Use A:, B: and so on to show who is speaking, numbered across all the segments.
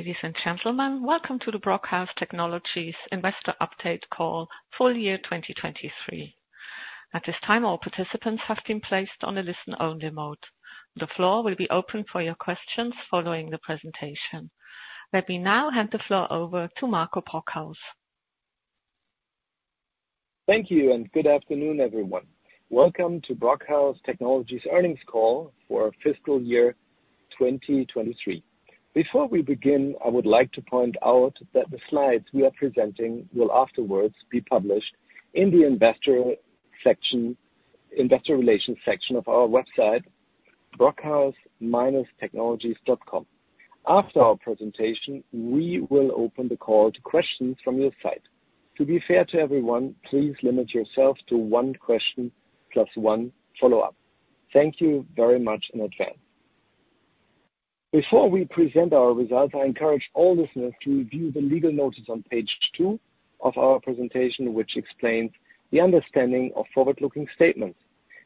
A: Ladies and gentlemen, welcome to the Brockhaus Technologies Investor Update Call for year 2023. At this time, all participants have been placed on a listen-only mode. The floor will be open for your questions following the presentation. Let me now hand the floor over to Marco Brockhaus.
B: Thank you, and good afternoon, everyone. Welcome to Brockhaus Technologies Earnings Call for Fiscal Year 2023. Before we begin, I would like to point out that the slides we are presenting will afterward be published in the investor relations section of our website, brockhaus-technologies.com. After our presentation, we will open the call to questions from your side. To be fair to everyone, please limit yourself to one question plus one follow-up. Thank you very much in advance. Before we present our results, I encourage all listeners to review the legal notice on page two of our presentation, which explains the understanding of forward-looking statements.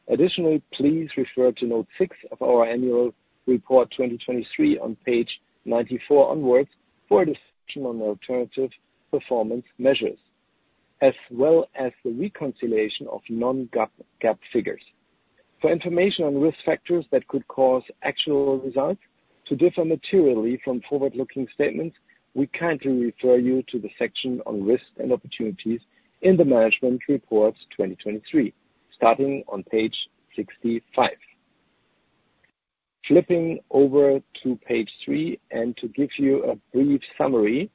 B: Additionally, please refer to note 6 of our annual report 2023 on page 94 onward for a discussion on alternative performance measures, as well as the reconciliation of non-GAAP figures. For information on risk factors that could cause actual results to differ materially from forward-looking statements, we kindly refer you to the section on risk and opportunities in the management reports 2023, starting on page 65. Flipping over to page three and to give you a brief summary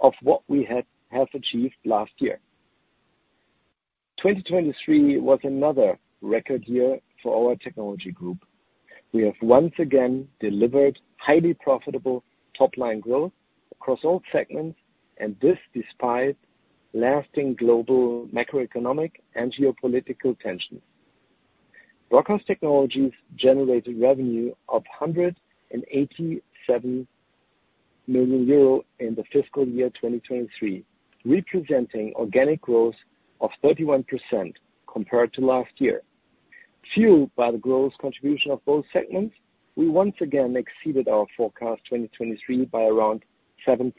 B: of what we have achieved last year. 2023 was another record year for our technology group. We have once again delivered highly profitable top-line growth across all segments, and this despite lasting global macroeconomic and geopolitical tensions. Brockhaus Technologies generated revenue of 187 million euro in the fiscal year 2023, representing organic growth of 31% compared to last year. Fueled by the growth contribution of both segments, we once again exceeded our forecast 2023 by around 7%.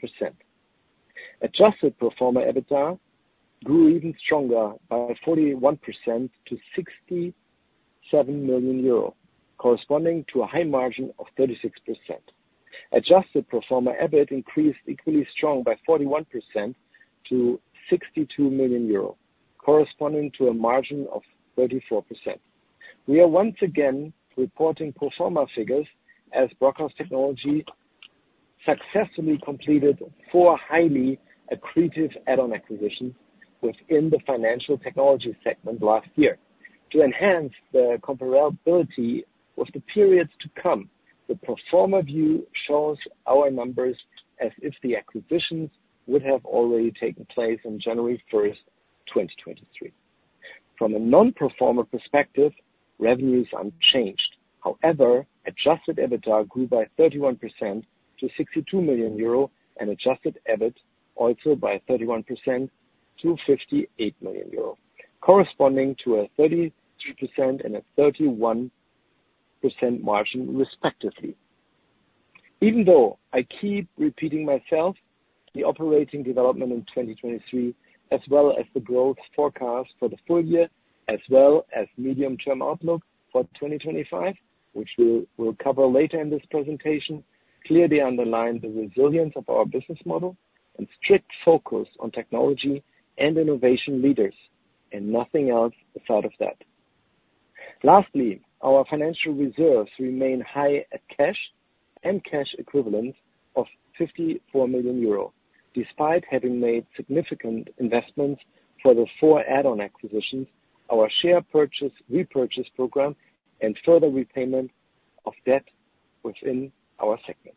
B: Adjusted performer EBITDA grew even stronger by 41% to 67 million euro, corresponding to a high margin of 36%. Adjusted Performer EBIT increased equally strong by 41% to 62 million euro, corresponding to a margin of 34%. We are once again reporting Performer figures as Brockhaus Technologies successfully completed four highly accretive add-on acquisitions within the financial technology segment last year. To enhance the comparability with the periods to come, the Performer view shows our numbers as if the acquisitions would have already taken place on January 1st, 2023. From a non-Performer perspective, revenues unchanged. However, Adjusted EBITDA grew by 31% to 62 million euro, and Adjusted EBIT also by 31% to 58 million euro, corresponding to a 33% and a 31% margins, respectively. Even though I keep repeating myself, the operating development in 2023, as well as the growth forecast for the full year, as well as medium-term outlook for 2025, which we'll cover later in this presentation, clearly underline the resilience of our business model and strict focus on technology and innovation leaders, and nothing else aside of that. Lastly, our financial reserves remain high at cash and cash equivalents of 54 million euro, despite having made significant investments for the four add-on acquisitions, our share purchase repurchase program, and further repayment of debt within our segments.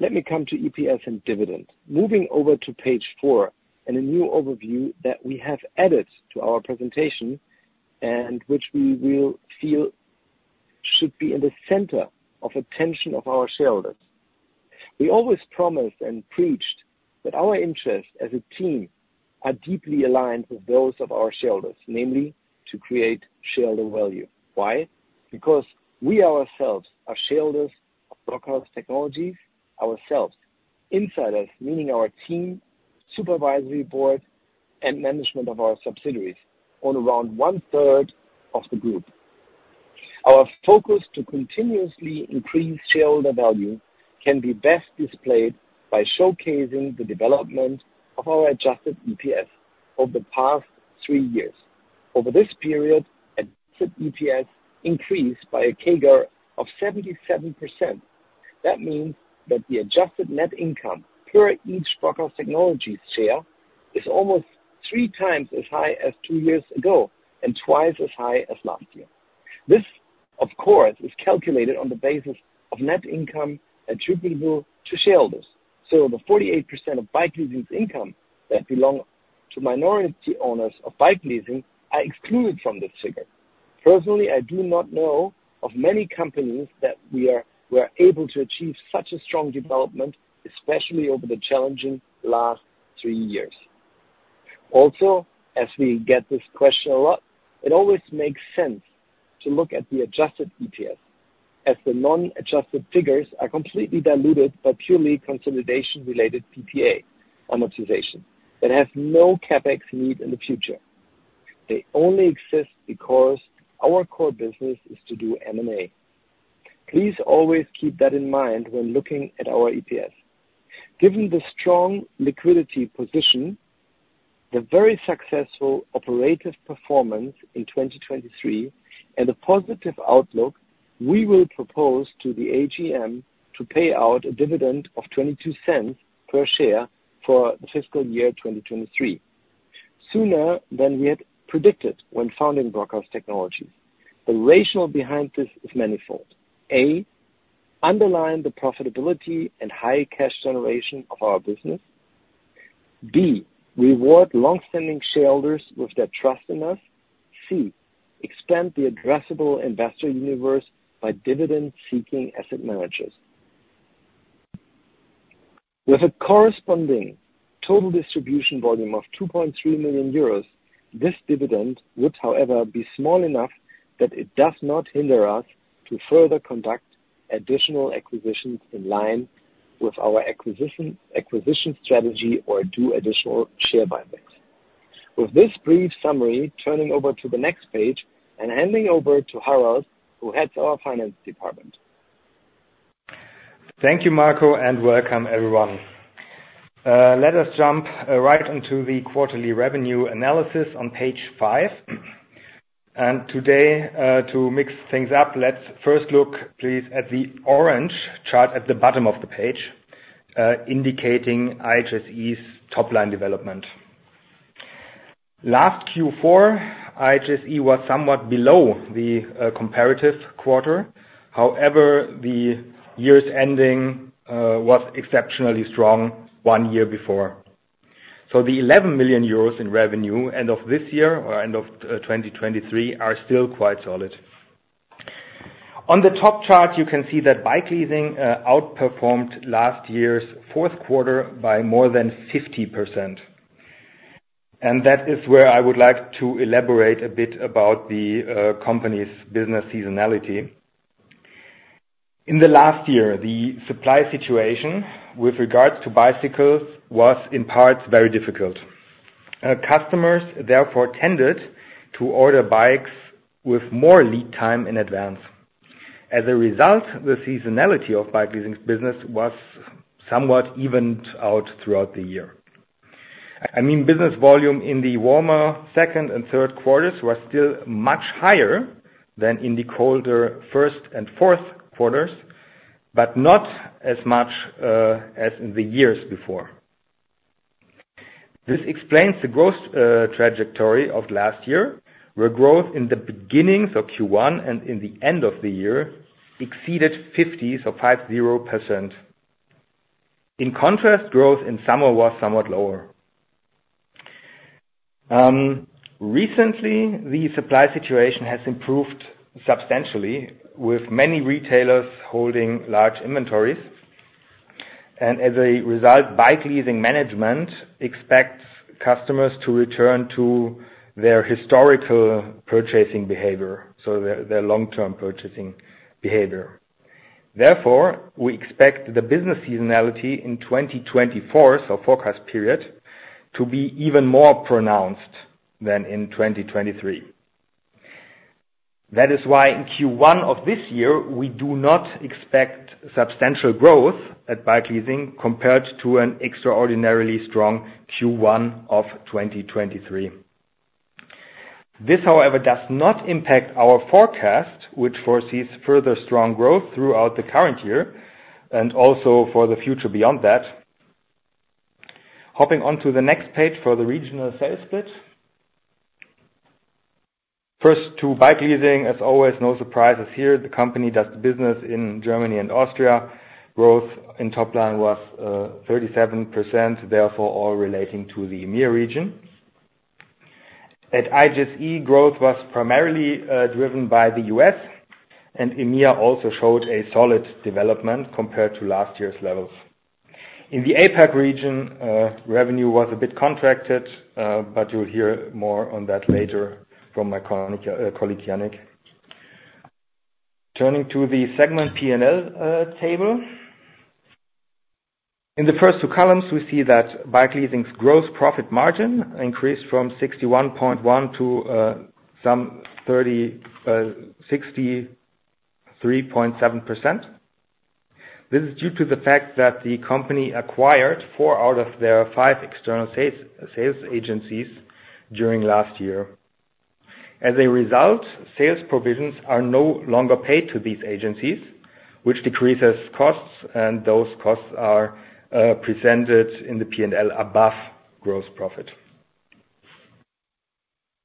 B: Let me come to EPS and dividend, moving over to page four and a new overview that we have added to our presentation and which we will feel should be in the center of attention of our shareholders. We always promised and preached that our interests as a team are deeply aligned with those of our shareholders, namely to create shareholder value. Why? Because we ourselves are shareholders of Brockhaus Technologies, ourselves, insiders, meaning our team, supervisory board, and management of our subsidiaries, on around one-third of the group. Our focus to continuously increase shareholder value can be best displayed by showcasing the development of our adjusted EPS over the past three years. Over this period, adjusted EPS increased by a CAGR of 77%. That means that the adjusted net income per each Brockhaus Technologies share is almost three times as high as two years ago and twice as high as last year. This, of course, is calculated on the basis of net income attributable to shareholders. So the 48% of Bikeleasing's income that belong to minority owners of Bikeleasing are excluded from this figure. Personally, I do not know of many companies that we were able to achieve such a strong development, especially over the challenging last three years. Also, as we get this question a lot, it always makes sense to look at the adjusted EPS, as the non-adjusted figures are completely diluted by purely consolidation-related PPA amortization that has no CapEx need in the future. They only exist because our core business is to do M&A. Please always keep that in mind when looking at our EPS. Given the strong liquidity position, the very successful operative performance in 2023, and the positive outlook, we will propose to the AGM to pay out a dividend of 0.22 per share for the fiscal year 2023, sooner than we had predicted when founding Brockhaus Technologies. The rationale behind this is many-fold: A, underline the profitability and high cash generation of our business. B, reward longstanding shareholders with their trust in us. C, expand the addressable investor universe by dividend-seeking asset managers. With a corresponding total distribution volume of 2.3 million euros, this dividend would, however, be small enough that it does not hinder us to further conduct additional acquisitions in line with our acquisition strategy or do additional share buybacks. With this brief summary, turning over to the next page and handing over to Harald, who heads our finance department.
C: Thank you, Marco, and welcome, everyone. Let us jump right onto the quarterly revenue analysis on page five. Today, to mix things up, let's first look, please, at the orange chart at the bottom of the page indicating IHSE's top-line development. Last Q4, IHSE was somewhat below the comparative quarter. However, the year's ending was exceptionally strong one year before. The 11 million euros in revenue end of this year or end of 2023 are still quite solid. On the top chart, you can see that bike leasing outperformed last year's fourth quarter by more than 50%. That is where I would like to elaborate a bit about the company's business seasonality. In the last year, the supply situation with regards to bicycles was in parts very difficult. Customers, therefore, tended to order bikes with more lead time in advance. As a result, the seasonality of bike leasing business was somewhat evened out throughout the year. I mean, business volume in the warmer second and third quarters was still much higher than in the colder first and fourth quarters, but not as much as in the years before. This explains the growth trajectory of last year, where growth in the beginning, so Q1, and in the end of the year exceeded 50, so 50%. In contrast, growth in summer was somewhat lower. Recently, the supply situation has improved substantially, with many retailers holding large inventories. And as a result, bike leasing management expects customers to return to their historical purchasing behavior, so their long-term purchasing behavior. Therefore, we expect the business seasonality in 2024, so forecast period, to be even more pronounced than in 2023. That is why in Q1 of this year, we do not expect substantial growth at bike leasing compared to an extraordinarily strong Q1 of 2023. This, however, does not impact our forecast, which foresees further strong growth throughout the current year and also for the future beyond that. Hopping onto the next page for the regional sales split. First to bike leasing, as always, no surprises here. The company does business in Germany and Austria. Growth in top-line was 37%, therefore all relating to the EMEA region. At IHSE, growth was primarily driven by the U.S., and EMEA also showed a solid development compared to last year's levels. In the APAC region, revenue was a bit contracted, but you'll hear more on that later from my colleague Yannick. Turning to the segment P&L table. In the first two columns, we see that bike leasing's gross profit margin increased from 61.1% to some 63.7%. This is due to the fact that the company acquired four out of their five external sales agencies during last year. As a result, sales provisions are no longer paid to these agencies, which decreases costs, and those costs are presented in the P&L above gross profit.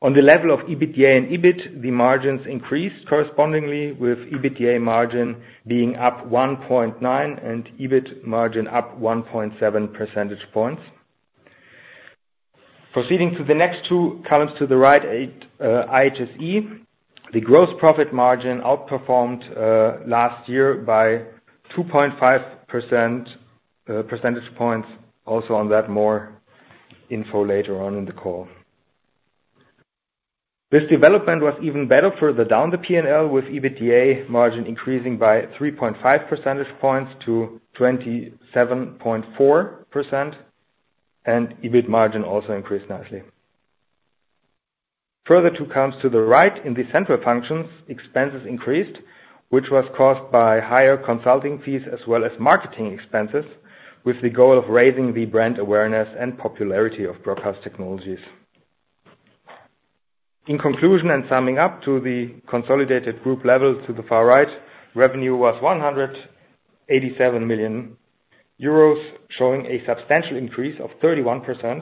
C: On the level of EBITDA and EBIT, the margins increased correspondingly, with EBITDA margin being up 1.9 and EBIT margin up 1.7 percentage points. Proceeding to the next two columns to the right, IHSE, the gross profit margin outperformed last year by 2.5 percentage points. Also on that, more info later on in the call. This development was even better further down the P&L, with EBITDA margin increasing by 3.5 percentage points to 27.4%, and EBIT margin also increased nicely. Further to comes to the right, in the central functions, expenses increased, which was caused by higher consulting fees as well as marketing expenses, with the goal of raising the brand awareness and popularity of Brockhaus Technologies. In conclusion and summing up, to the consolidated group level to the far right, revenue was 187 million euros, showing a substantial increase of 31%.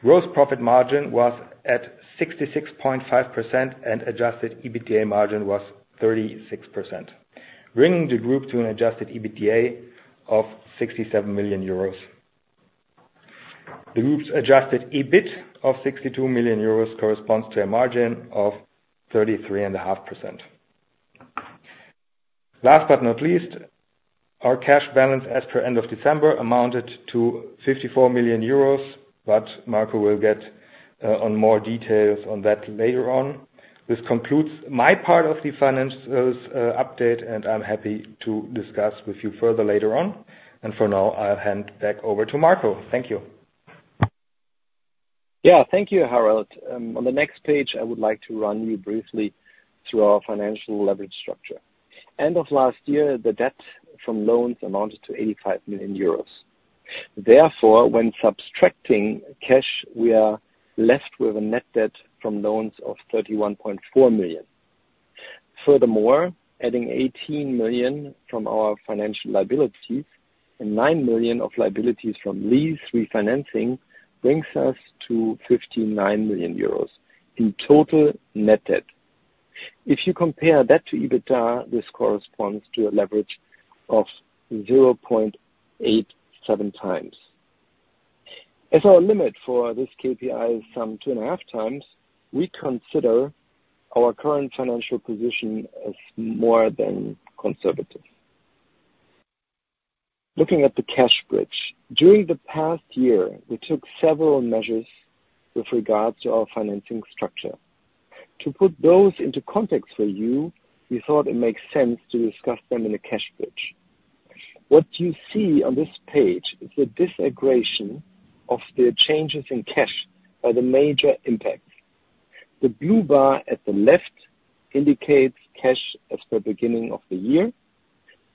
C: Gross profit margin was at 66.5%, and adjusted EBITDA margin was 36%, bringing the group to an adjusted EBITDA of 67 million euros. The group's adjusted EBIT of 62 million euros corresponds to a margin of 33.5%. Last but not least, our cash balance as per end of December amounted to 54 million euros, but Marco will get on more details on that later on. This concludes my part of the financials update, and I'm happy to discuss with you further later on. For now, I'll hand back over to Marco.
B: Thank you. Yeah, thank you, Harald. On the next page, I would like to run you briefly through our financial leverage structure. End of last year, the debt from loans amounted to 85 million euros. Therefore, when subtracting cash, we are left with a net debt from loans of 31.4 million. Furthermore, adding 18 million from our financial liabilities and 9 million of liabilities from lease refinancing brings us to 59 million euros in total net debt. If you compare that to EBITDA, this corresponds to a leverage of 0.87x. As our limit for this KPI is some two and a half times, we consider our current financial position as more than conservative. Looking at the cash bridge, during the past year, we took several measures with regards to our financing structure. To put those into context for you, we thought it makes sense to discuss them in a cash bridge. What you see on this page is the disaggregation of the changes in cash by the major impacts. The blue bar at the left indicates cash as per beginning of the year.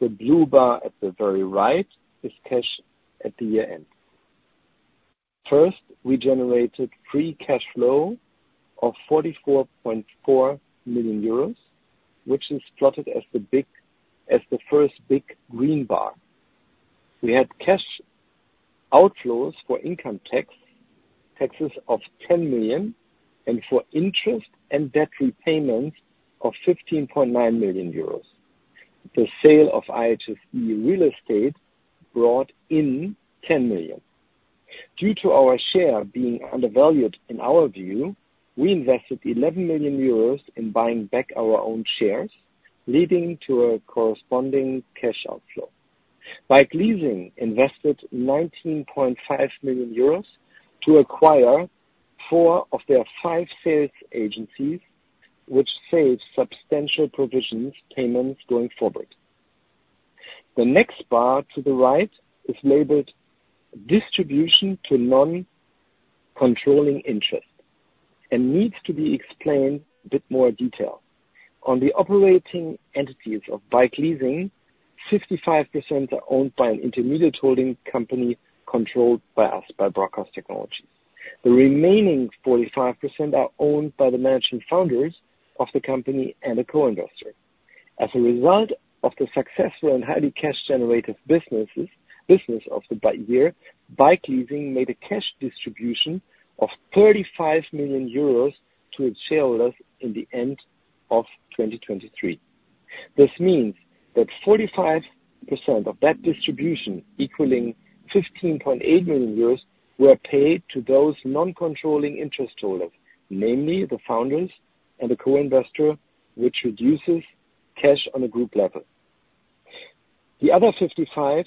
B: The blue bar at the very right is cash at the year-end. First, we generated free cash flow of 44.4 million euros, which is plotted as the first big green bar. We had cash outflows for income taxes of 10 million and for interest and debt repayments of 15.9 million euros. The sale of IHSE real estate brought in 10 million. Due to our share being undervalued, in our view, we invested 11 million euros in buying back our own shares, leading to a corresponding cash outflow. Bike leasing invested 19.5 million euros to acquire four of their five sales agencies, which saves substantial provisions payments going forward. The next bar to the right is labeled Distribution to Non-Controlling Interest and needs to be explained a bit more detail. On the operating entities of bike leasing, 55% are owned by an intermediate holding company controlled by us, by Brockhaus Technologies. The remaining 45% are owned by the managing founders of the company and a co-investor. As a result of the successful and highly cash-generative business of the year, bike leasing made a cash distribution of 35 million euros to its shareholders in the end of 2023. This means that 45% of that distribution, equaling 15.8 million euros, were paid to those non-controlling interest holders, namely the founders and the co-investor, which reduces cash on a group level. The other 55%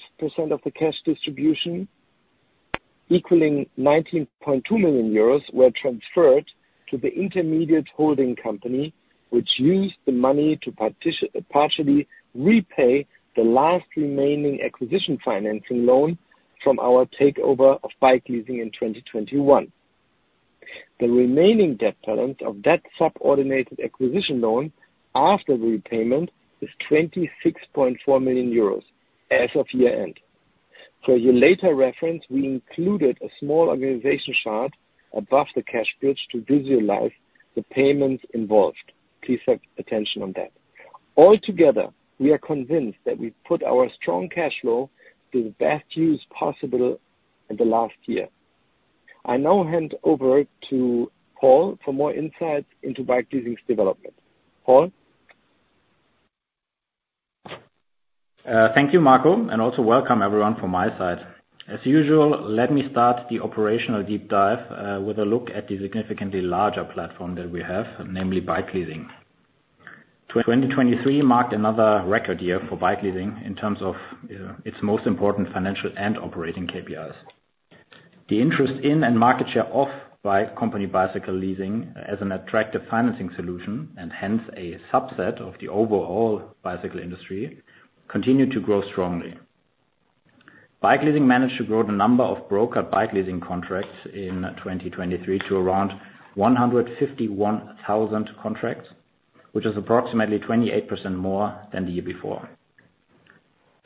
B: of the cash distribution, equaling 19.2 million euros, were transferred to the intermediate holding company, which used the money to partially repay the last remaining acquisition financing loan from our takeover of bike leasing in 2021. The remaining debt balance of that subordinated acquisition loan after repayment is 26.4 million euros as of year-end. For a year-later reference, we included a small organization chart above the cash bridge to visualize the payments involved. Please have attention on that. Altogether, we are convinced that we put our strong cash flow to the best use possible in the last year. I now hand over to Paul for more insights into bike leasing's development. Paul?
D: Thank you, Marco, and also welcome, everyone, from my side. As usual, let me start the operational deep dive with a look at the significantly larger platform that we have, namely bike leasing. 2023 marked another record year for bike leasing in terms of its most important financial and operating KPIs. The interest in and market share of Bikeleasing bicycle leasing as an attractive financing solution and hence a subset of the overall bicycle industry continued to grow strongly. Bike leasing managed to grow the number of brokered bike leasing contracts in 2023 to around 151,000 contracts, which is approximately 28% more than the year before.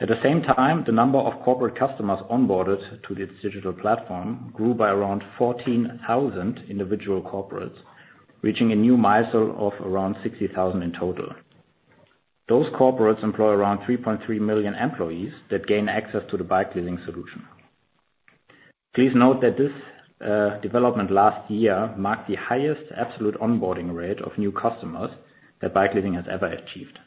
D: At the same time, the number of corporate customers onboarded to its digital platform grew by around 14,000 individual corporates, reaching a new milestone of around 60,000 in total. Those corporates employ around 3.3 million employees that gain access to the bike leasing solution. Please note that this development last year marked the highest absolute onboarding rate of new customers that bike leasing has ever achieved.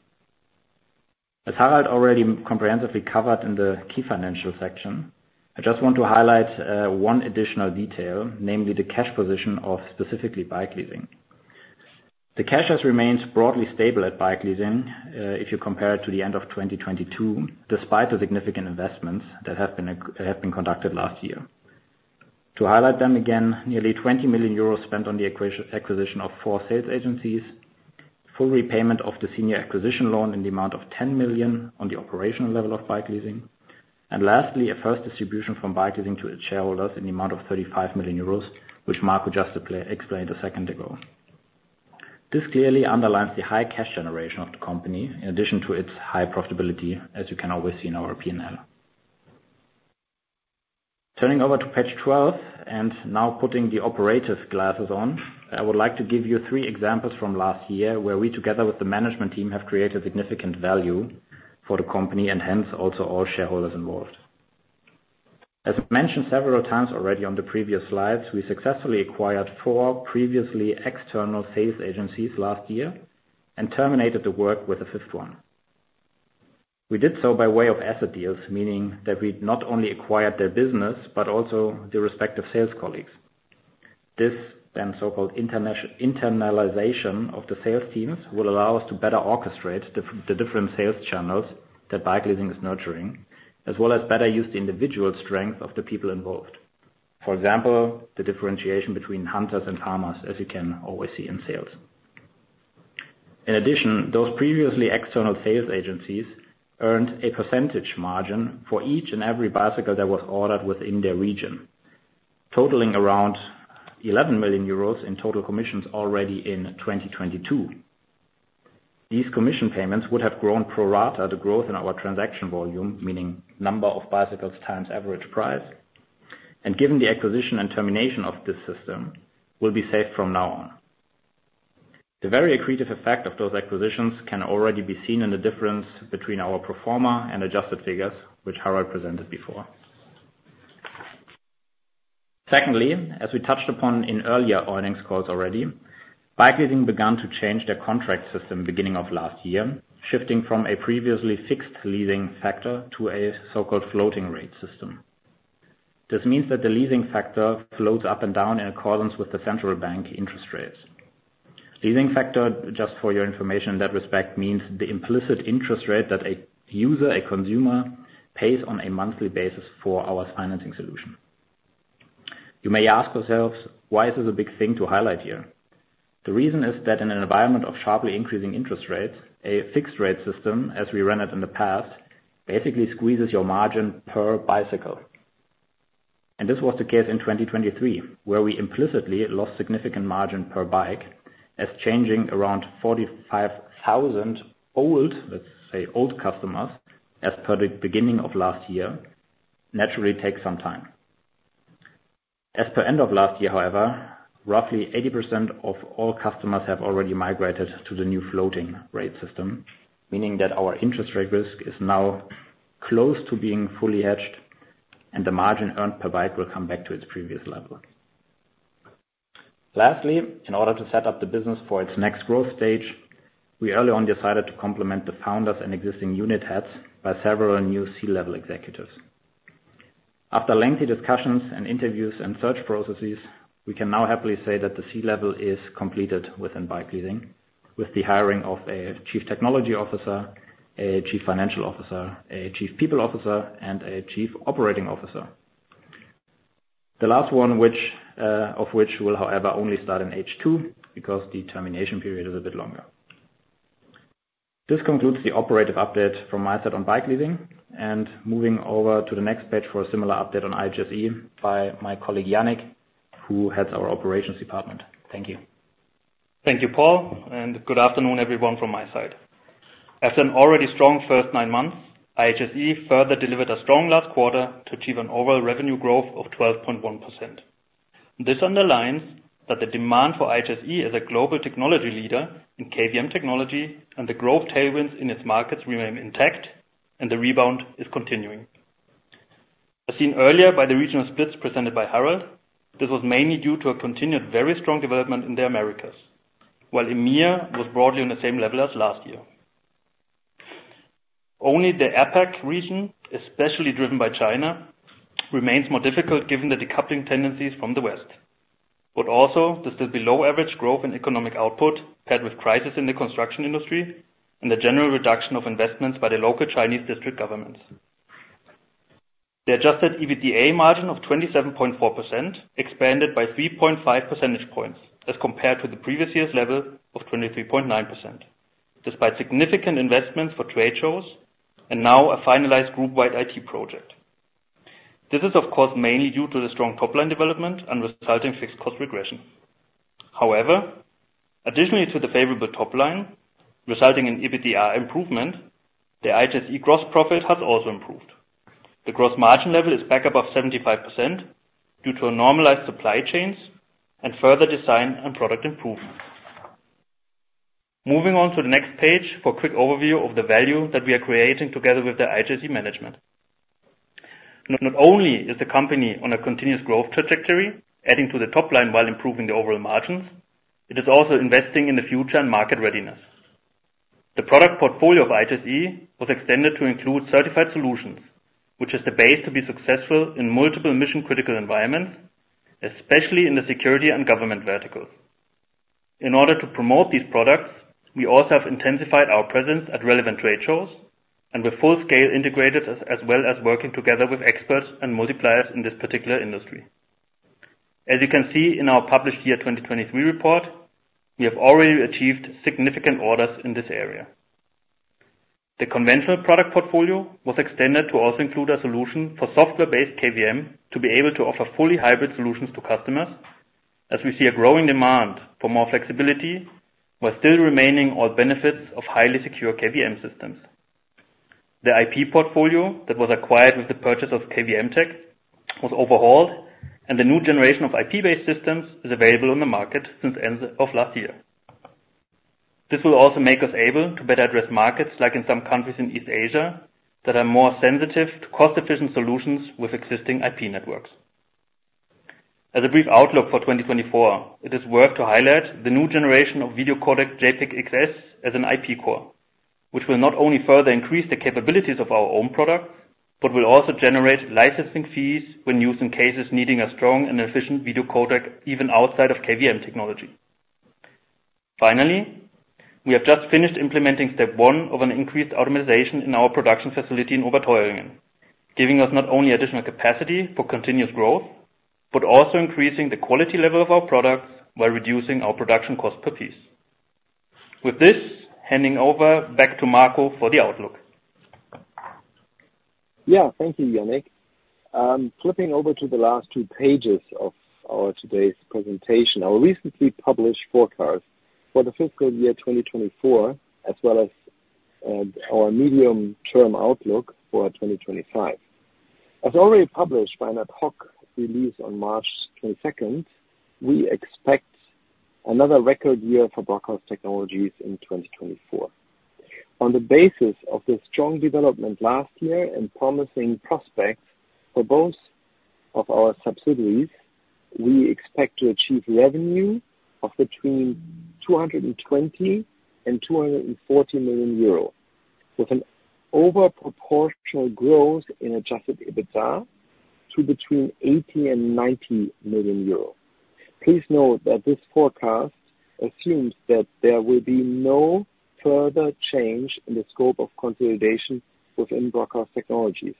D: As Harald already comprehensively covered in the key financial section, I just want to highlight one additional detail, namely the cash position of specifically bike leasing. The cash has remained broadly stable at bike leasing if you compare it to the end of 2022, despite the significant investments that have been conducted last year. To highlight them again, nearly 20 million euros spent on the acquisition of four sales agencies, full repayment of the senior acquisition loan in the amount of 10 million on the operational level of bike leasing, and lastly, a first distribution from bike leasing to its shareholders in the amount of 35 million euros, which Marco just explained a second ago. This clearly underlines the high cash generation of the company in addition to its high profitability, as you can always see in our P&L. Turning over to page 12 and now putting the operative glasses on, I would like to give you three examples from last year where we together with the management team have created significant value for the company and hence also all shareholders involved. As mentioned several times already on the previous slides, we successfully acquired four previously external sales agencies last year and terminated the work with a fifth one. We did so by way of asset deals, meaning that we not only acquired their business but also their respective sales colleagues. This then so-called internalization of the sales teams will allow us to better orchestrate the different sales channels that bike leasing is nurturing, as well as better use the individual strengths of the people involved. For example, the differentiation between hunters and farmers, as you can always see in sales. In addition, those previously external sales agencies earned a percentage margin for each and every bicycle that was ordered within their region, totaling around 11 million euros in total commissions already in 2022. These commission payments would have grown pro rata the growth in our transaction volume, meaning number of bicycles times average price, and given the acquisition and termination of this system, will be saved from now on. The very accretive effect of those acquisitions can already be seen in the difference between our performer and adjusted figures, which Harald presented before. Secondly, as we touched upon in earlier earnings calls already, bike leasing began to change their contract system beginning of last year, shifting from a previously fixed leasing factor to a so-called floating rate system. This means that the leasing factor floats up and down in accordance with the central bank interest rates. Leasing factor, just for your information in that respect, means the implicit interest rate that a user, a consumer, pays on a monthly basis for our financing solution. You may ask yourselves, why is this a big thing to highlight here? The reason is that in an environment of sharply increasing interest rates, a fixed rate system, as we ran it in the past, basically squeezes your margin per bicycle. This was the case in 2023, where we implicitly lost significant margin per bike, as changing around 45,000 old, let's say, old customers as per the beginning of last year naturally takes some time. As per end of last year, however, roughly 80% of all customers have already migrated to the new floating rate system, meaning that our interest rate risk is now close to being fully hedged, and the margin earned per bike will come back to its previous level. Lastly, in order to set up the business for its next growth stage, we early on decided to complement the founders and existing unit heads by several new C-level executives. After lengthy discussions and interviews and search processes, we can now happily say that the C-level is completed within bike leasing, with the hiring of a Chief Technology Officer, a Chief Financial Officer, a Chief People Officer, and a Chief Operating Officer. The last one of which will, however, only start in Q2 because the termination period is a bit longer. This concludes the operative update from my side on bike leasing, and moving over to the next page for a similar update on IHSE by my colleague Yannick, who heads our operations department. Thank you.
E: Thank you, Paul, and good afternoon, everyone, from my side. After an already strong first nine months, IHSE further delivered a strong last quarter to achieve an overall revenue growth of 12.1%. This underlines that the demand for IHSE as a global technology leader in KVM technology and the growth tailwinds in its markets remain intact, and the rebound is continuing. As seen earlier by the regional splits presented by Harald, this was mainly due to a continued very strong development in the Americas, while EMEA was broadly on the same level as last year. Only the APAC region, especially driven by China, remains more difficult given the decoupling tendencies from the West, but also the still below-average growth in economic output paired with crisis in the construction industry and the general reduction of investments by the local Chinese district governments. The adjusted EBITDA margin of 27.4% expanded by 3.5 percentage points as compared to the previous year's level of 23.9%, despite significant investments for trade shows and now a finalized group-wide IT project. This is, of course, mainly due to the strong top-line development and resulting fixed cost regression. However, additionally to the favorable top-line resulting in EBITDA improvement, the IHSE gross profit has also improved. The gross margin level is back above 75% due to normalized supply chains and further design and product improvement. Moving on to the next page for quick overview of the value that we are creating together with the IHSE management. Not only is the company on a continuous growth trajectory, adding to the top-line while improving the overall margins, it is also investing in the future and market readiness. The product portfolio of IHSE was extended to include certified solutions, which is the base to be successful in multiple mission-critical environments, especially in the security and government verticals. In order to promote these products, we also have intensified our presence at relevant trade shows and with full-scale integrators as well as working together with experts and multipliers in this particular industry. As you can see in our published year 2023 report, we have already achieved significant orders in this area. The conventional product portfolio was extended to also include a solution for software-based KVM to be able to offer fully hybrid solutions to customers, as we see a growing demand for more flexibility while still remaining all benefits of highly secure KVM systems. The IP portfolio that was acquired with the purchase of kvm-tec was overhauled, and the new generation of IP-based systems is available on the market since the end of last year. This will also make us able to better address markets like in some countries in East Asia that are more sensitive to cost-efficient solutions with existing IP networks. As a brief outlook for 2024, it is worth to highlight the new generation of video codec JPEG XS as an IP core, which will not only further increase the capabilities of our own product but will also generate licensing fees when used in cases needing a strong and efficient video codec even outside of KVM technology. Finally, we have just finished implementing step one of an increased automation in our production facility in Oberteuringen, giving us not only additional capacity for continuous growth but also increasing the quality level of our products while reducing our production cost per piece. With this, handing over back to Marco for the outlook.
B: Yeah, thank you, Yannick. Flipping over to the last two pages of our today's presentation, our recently published forecasts for the fiscal year 2024 as well as our medium-term outlook for 2025. As already published by an ad hoc release on March 22nd, we expect another record year for Brockhaus Technologies in 2024. On the basis of the strong development last year and promising prospects for both of our subsidiaries, we expect to achieve revenue of between 220 million euros and 240 million euro, with an overproportional growth in Adjusted EBITDA to between 80 million and 90 million euros. Please note that this forecast assumes that there will be no further change in the scope of consolidation within Brockhaus Technologies.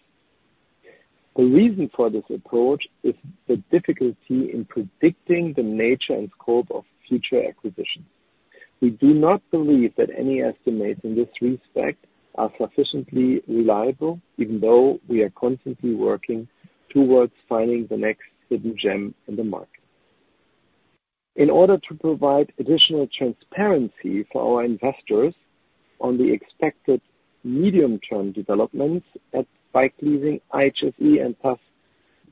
B: The reason for this approach is the difficulty in predicting the nature and scope of future acquisitions. We do not believe that any estimates in this respect are sufficiently reliable, even though we are constantly working towards finding the next hidden gem in the market. In order to provide additional transparency for our investors on the expected medium-term developments at bike leasing, IHSE, and thus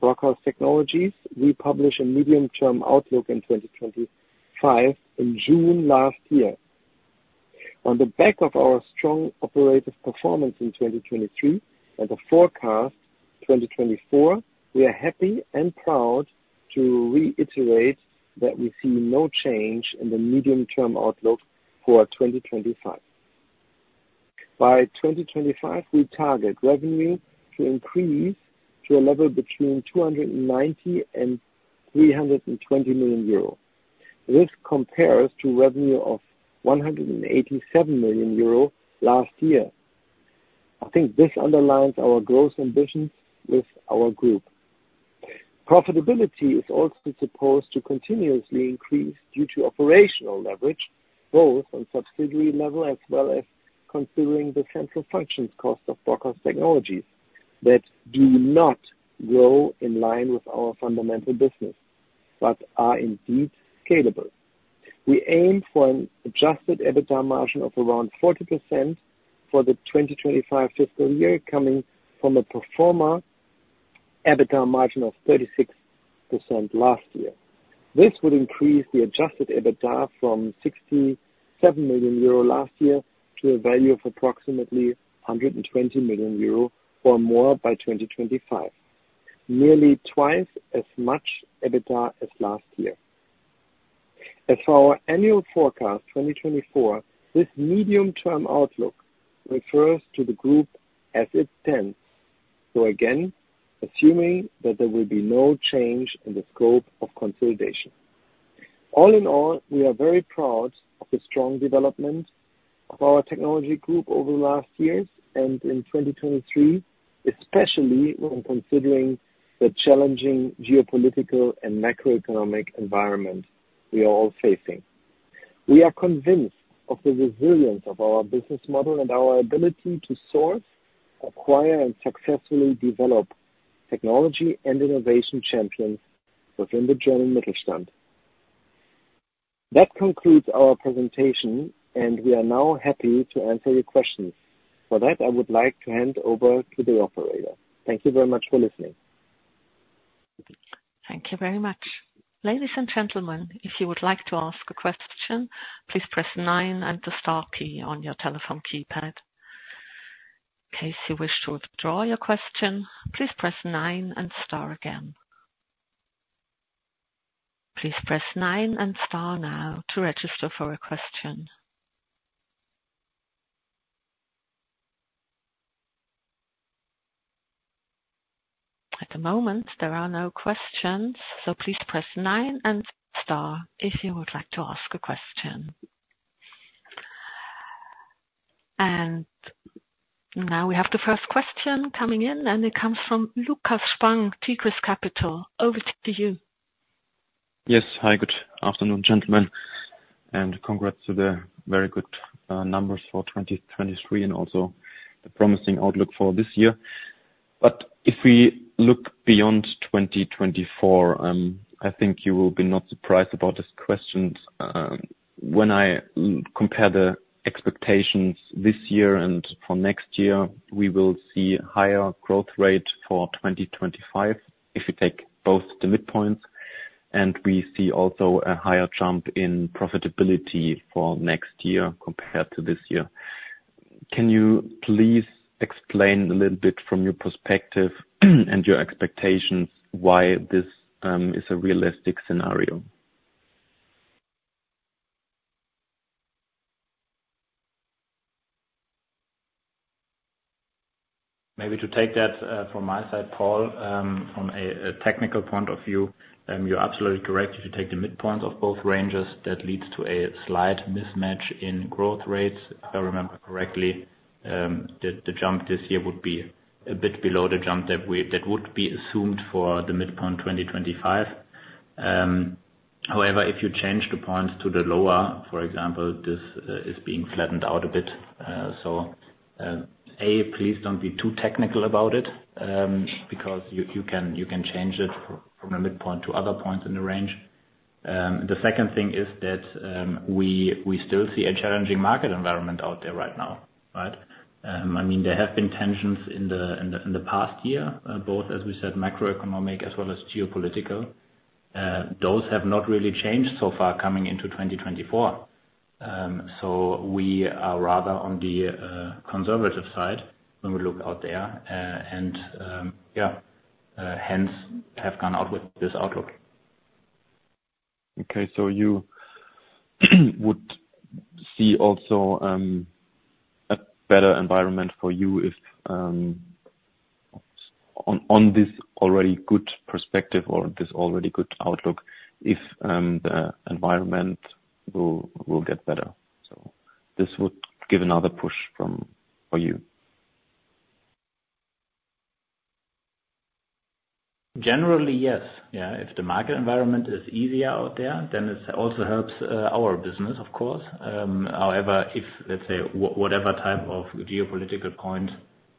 B: Brockhaus Technologies, we published a medium-term outlook in 2025 in June last year. On the back of our strong operative performance in 2023 and the forecast 2024, we are happy and proud to reiterate that we see no change in the medium-term outlook for 2025. By 2025, we target revenue to increase to a level between 290 million and 320 million euro. This compares to revenue of 187 million euro last year. I think this underlines our growth ambitions with our group. Profitability is also supposed to continuously increase due to operational leverage, both on subsidiary level as well as considering the central functions cost of Brockhaus Technologies that do not grow in line with our fundamental business but are indeed scalable. We aim for an Adjusted EBITDA margin of around 40% for the 2025 fiscal year, coming from a Performer EBITDA margin of 36% last year. This would increase the Adjusted EBITDA from 67 million euro last year to a value of approximately 120 million euro or more by 2025, nearly twice as much EBITDA as last year. As for our annual forecast 2024, this medium-term outlook refers to the group as it stands, so again, assuming that there will be no change in the scope of consolidation. All in all, we are very proud of the strong development of our technology group over the last years and in 2023, especially when considering the challenging geopolitical and macroeconomic environment we are all facing. We are convinced of the resilience of our business model and our ability to source, acquire, and successfully develop technology and innovation champions within the German Mittelstand. That concludes our presentation, and we are now happy to answer your questions. For that, I would like to hand over to the operator. Thank you very much for listening.
A: Thank you very much. Ladies and gentlemen, if you would like to ask a question, please press nine and the star key on your telephone keypad. In case you wish to withdraw your question, please press nine and star again. Please press nine and star now to register for a question. At the moment, there are no questions, so please press nine and star if you would like to ask a question. And now we have the first question coming in, and it comes from Lukas Spang, Tigris Capital. Over to you.
F: Yes. Hi, good afternoon, gentlemen, and congrats to the very good numbers for 2023 and also the promising outlook for this year. But if we look beyond 2024, I think you will be not surprised about this question. When I compare the expectations this year and for next year, we will see a higher growth rate for 2025 if we take both the midpoints, and we see also a higher jump in profitability for next year compared to this year. Can you please explain a little bit from your perspective and your expectations why this is a realistic scenario?
D: Maybe to take that from my side, Paul, from a technical point of view, you're absolutely correct. If you take the midpoints of both ranges, that leads to a slight mismatch in growth rates. If I remember correctly, the jump this year would be a bit below the jump that would be assumed for the midpoint 2025. However, if you change the points to the lower, for example, this is being flattened out a bit. So A, please don't be too technical about it because you can change it from the midpoint to other points in the range. The second thing is that we still see a challenging market environment out there right now, right? I mean, there have been tensions in the past year, both, as we said, macroeconomic as well as geopolitical. Those have not really changed so far coming into 2024. We are rather on the conservative side when we look out there and, yeah, hence have gone out with this outlook.
F: Okay. So you would see also a better environment for you on this already good perspective or this already good outlook if the environment will get better. So this would give another push for you.
D: Generally, yes. Yeah, if the market environment is easier out there, then it also helps our business, of course. However, if, let's say, whatever type of geopolitical point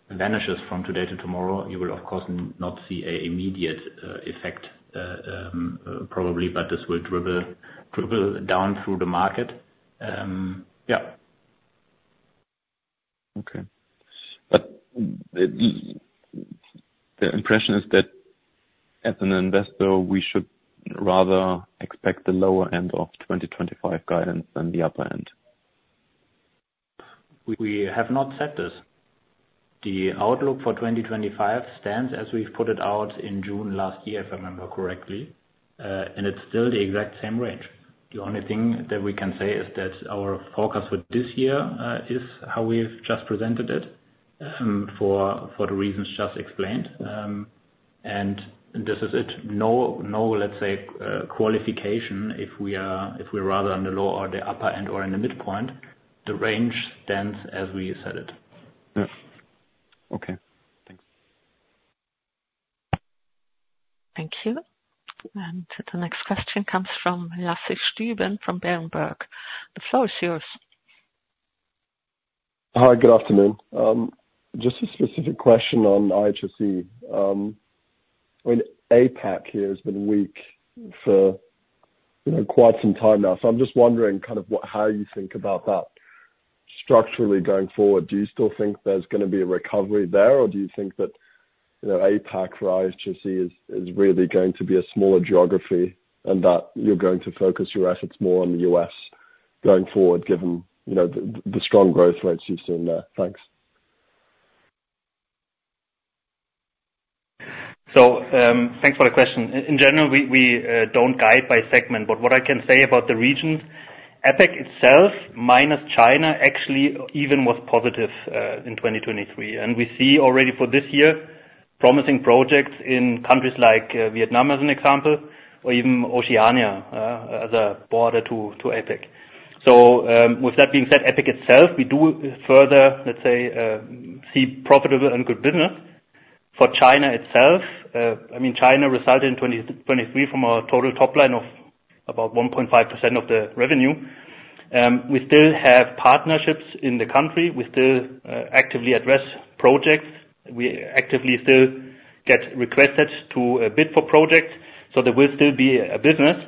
D: vanishes from today to tomorrow, you will, of course, not see an immediate effect probably, but this will dribble down through the market. Yeah.
F: Okay. But the impression is that as an investor, we should rather expect the lower end of 2025 guidance than the upper end.
D: We have not said this. The outlook for 2025 stands as we've put it out in June last year, if I remember correctly, and it's still the exact same range. The only thing that we can say is that our forecast for this year is how we've just presented it for the reasons just explained. And this is it. No, let's say, qualification if we're rather on the low or the upper end or in the midpoint. The range stands as we said it.
F: Yeah. Okay. Thanks.
A: Thank you. The next question comes from Lasse Stüben from Berenberg. The floor is yours.
G: Hi. Good afternoon. Just a specific question on IHSE. I mean, APAC here has been weak for quite some time now, so I'm just wondering kind of how you think about that structurally going forward. Do you still think there's going to be a recovery there, or do you think that APAC for IHSE is really going to be a smaller geography and that you're going to focus your assets more on the U.S. going forward given the strong growth rates you've seen there? Thanks.
E: So thanks for the question. In general, we don't guide by segment, but what I can say about the region, APAC itself minus China actually even was positive in 2023. We see already for this year promising projects in countries like Vietnam as an example or even Oceania as a border to APAC. So with that being said, APAC itself, we do further, let's say, see profitable and good business. For China itself, I mean, China resulted in 2023 from our total top line of about 1.5% of the revenue. We still have partnerships in the country. We still actively address projects. We actively still get requested to bid for projects, so there will still be a business,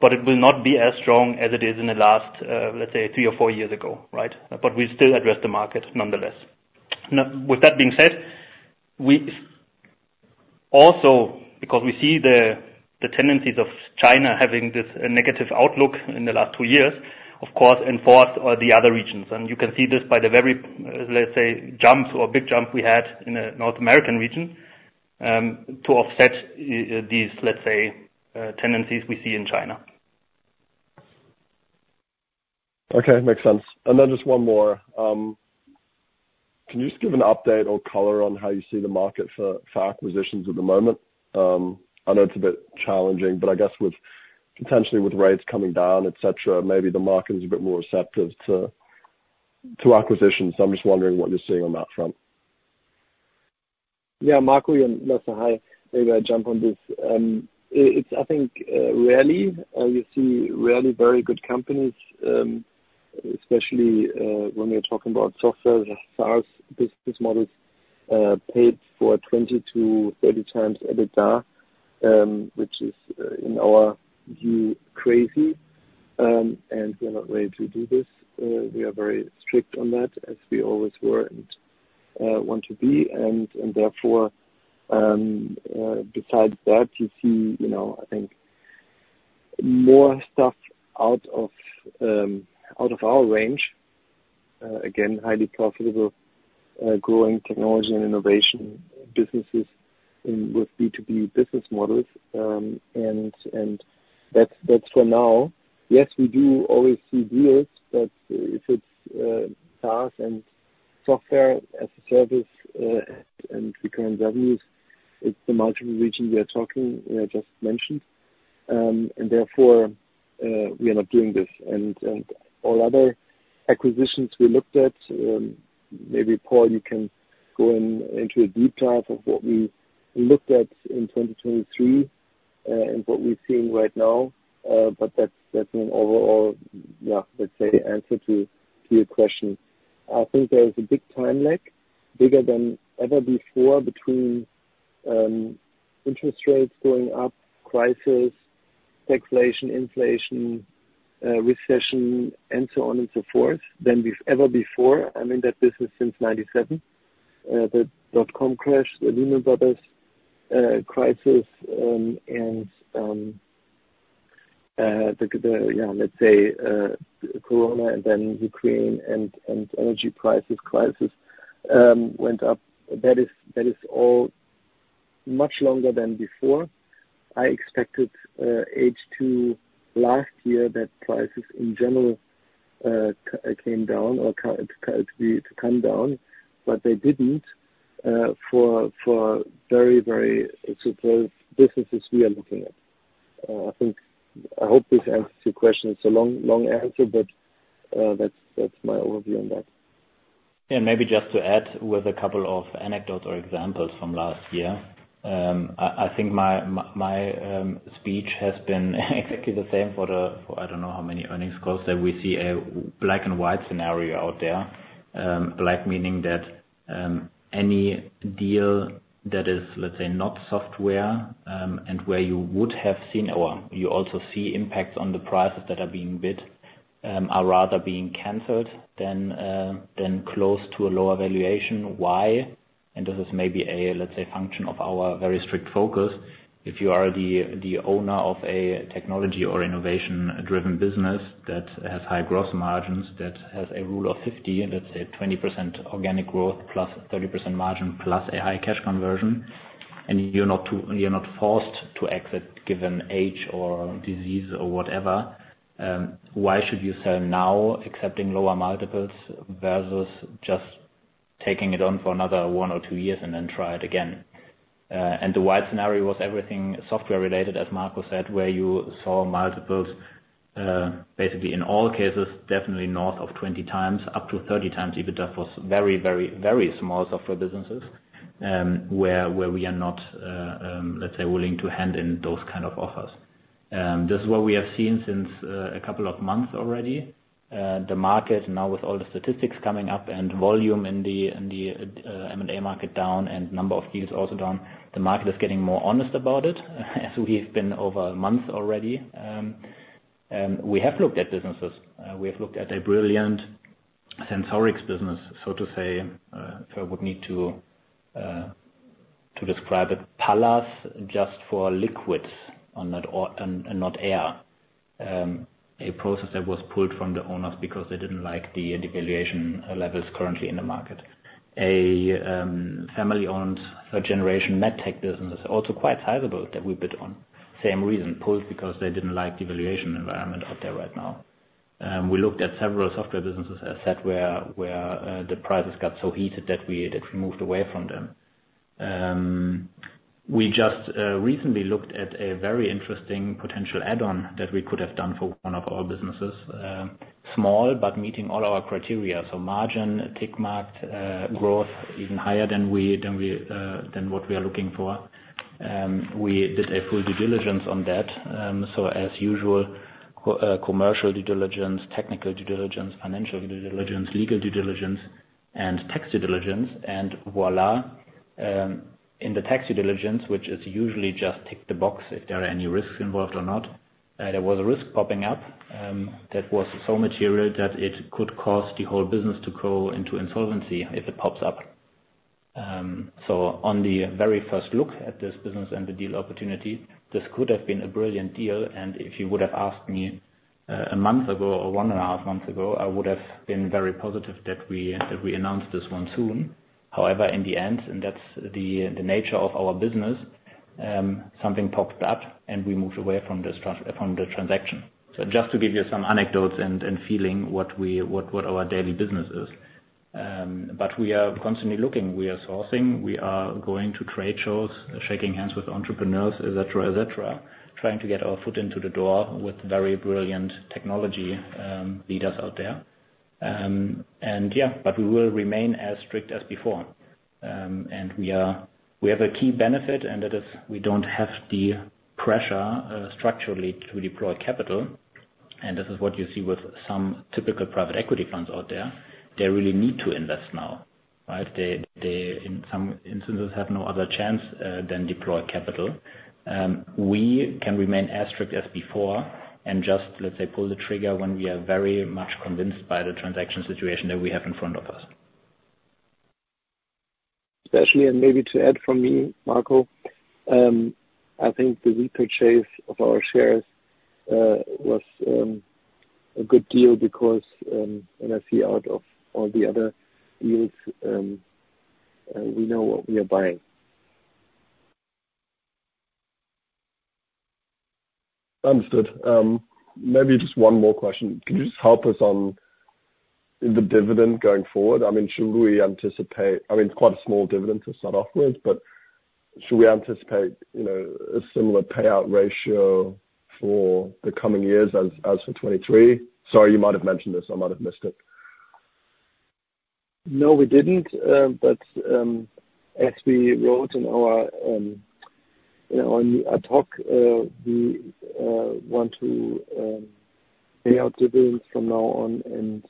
E: but it will not be as strong as it is in the last, let's say, three or four years ago, right? We still address the market nonetheless. With that being said, also because we see the tendencies of China having this negative outlook in the last two years, of course, enforce all the other regions. And you can see this by the very, let's say, jumps or big jump we had in the North American region to offset these, let's say, tendencies we see in China.
G: Okay. Makes sense. And then just one more. Can you just give an update or color on how you see the market for acquisitions at the moment? I know it's a bit challenging, but I guess potentially with rates coming down, etc., maybe the market is a bit more receptive to acquisitions. So I'm just wondering what you're seeing on that front.
B: Yeah. Marco, you're next. Hi. Maybe I'll jump on this. I think rarely you see very good companies, especially when we're talking about software, SaaS business models paid for 20x-30x EBITDA, which is, in our view, crazy. And we are not ready to do this. We are very strict on that as we always were and want to be. And therefore, besides that, you see, I think, more stuff out of our range, again, highly profitable growing technology and innovation businesses with B2B business models. And that's for now. Yes, we do always see deals, but if it's SaaS and software as a service and recurrent revenues, it's the multiple regions we are talking we have just mentioned. And therefore, we are not doing this. And all other acquisitions we looked at, maybe Paul, you can go into a deep dive of what we looked at in 2023 and what we're seeing right now, but that's an overall, yeah, let's say, answer to your question. I think there is a big time lag, bigger than ever before, between interest rates going up, crisis, taxation, inflation, recession, and so on and so forth than ever before. I mean, that business since 1997, the dot-com crash, the Lehman Brothers crisis, and the, yeah, let's say, corona and then Ukraine and energy prices crisis went up. That is all much longer than before. I expected H2 last year that prices, in general, came down or to come down, but they didn't for very, very superb businesses we are looking at. I hope this answers your question. It's a long answer, but that's my overview on that.
D: Yeah. Maybe just to add with a couple of anecdotes or examples from last year, I think my speech has been exactly the same for the I don't know how many earnings calls that we see a black-and-white scenario out there, black meaning that any deal that is, let's say, not software and where you would have seen or you also see impacts on the prices that are being bid are rather being cancelled than close to a lower valuation. Why? This is maybe a, let's say, function of our very strict focus. If you are the owner of a technology or innovation-driven business that has high gross margins, that has a Rule of 50, let's say, 20% organic growth + 30% margin plus a high cash conversion, and you're not forced to exit given age or disease or whatever, why should you sell now accepting lower multiples versus just taking it on for another one or two years and then try it again? The worst scenario was everything software-related, as Marco said, where you saw multiples basically in all cases, definitely north of 20x, up to 30x even, that was very, very, very small software businesses where we are not, let's say, willing to hand in those kind of offers. This is what we have seen since a couple of months already. The market now, with all the statistics coming up and volume in the M&A market down and number of deals also down, the market is getting more honest about it as we've been over months already. We have looked at businesses. We have looked at a brilliant sensorics business, so to say, if I would need to describe it, Palas just for liquids and not air, a process that was pulled from the owners because they didn't like the devaluation levels currently in the market. A family-owned third-generation MedTech business, also quite sizable, that we bid on, same reason, pulled because they didn't like the valuation environment out there right now. We looked at several software businesses, as said, where the prices got so heated that we moved away from them. We just recently looked at a very interesting potential add-on that we could have done for one of our businesses, small but meeting all our criteria, so margin, tick-marked, growth even higher than what we are looking for. We did a full due diligence on that. So as usual, commercial due diligence, technical due diligence, financial due diligence, legal due diligence, and tax due diligence, and voilà, in the tax due diligence, which is usually just tick the box if there are any risks involved or not, there was a risk popping up that was so material that it could cause the whole business to go into insolvency if it pops up. So on the very first look at this business and the deal opportunity, this could have been a brilliant deal. And if you would have asked me a month ago or one and a half months ago, I would have been very positive that we announced this one soon. However, in the end, and that's the nature of our business, something popped up, and we moved away from the transaction. So just to give you some anecdotes and feeling what our daily business is. But we are constantly looking. We are sourcing. We are going to trade shows, shaking hands with entrepreneurs, etc., etc., trying to get our foot into the door with very brilliant technology leaders out there. And yeah, but we will remain as strict as before. And we have a key benefit, and that is we don't have the pressure structurally to deploy capital. And this is what you see with some typical private equity funds out there. They really need to invest now, right? They, in some instances, have no other chance than deploy capital. We can remain as strict as before and just, let's say, pull the trigger when we are very much convinced by the transaction situation that we have in front of us.
B: Especially, and maybe to add from me, Marco, I think the repurchase of our shares was a good deal because when I see out of all the other deals, we know what we are buying.
G: Understood. Maybe just one more question. Can you just help us in the dividend going forward? I mean, should we anticipate I mean, it's quite a small dividend to start off with, but should we anticipate a similar payout ratio for the coming years as for 2023? Sorry, you might have mentioned this. I might have missed it.
B: No, we didn't. But as we wrote in our talk, we want to pay out dividends from now on, and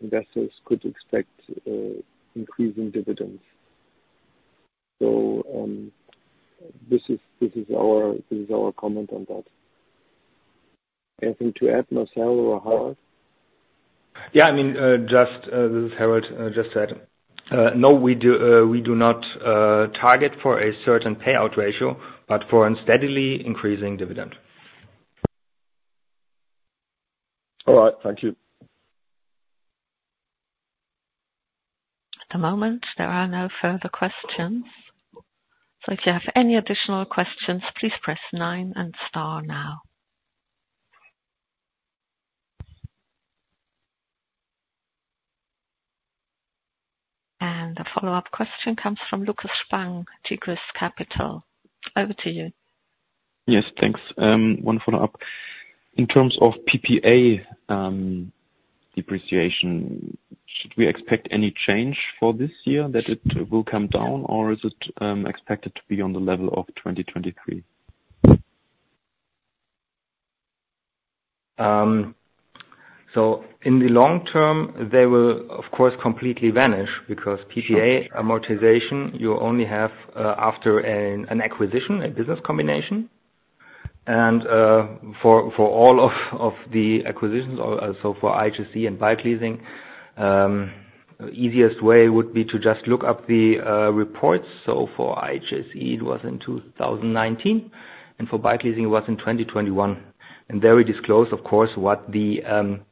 B: investors could expect increasing dividends. So this is our comment on that. Anything to add, Marcel or Harald?
D: Yeah. I mean, just as Harald just said. No, we do not target for a certain payout ratio, but for a steadily increasing dividend.
G: All right. Thank you.
A: At the moment, there are no further questions. So if you have any additional questions, please press nine and star now. A follow-up question comes from Lukas Spang, Tigris Capital. Over to you.
F: Yes. Thanks. One follow-up. In terms of PPA depreciation, should we expect any change for this year, that it will come down, or is it expected to be on the level of 2023?
D: So in the long term, they will, of course, completely vanish because PPA amortization you only have after an acquisition, a business combination. For all of the acquisitions, so for IHSE and bike leasing, the easiest way would be to just look up the reports. So for IHSE, it was in 2019. For bike leasing, it was in 2021. And there we disclose, of course, what the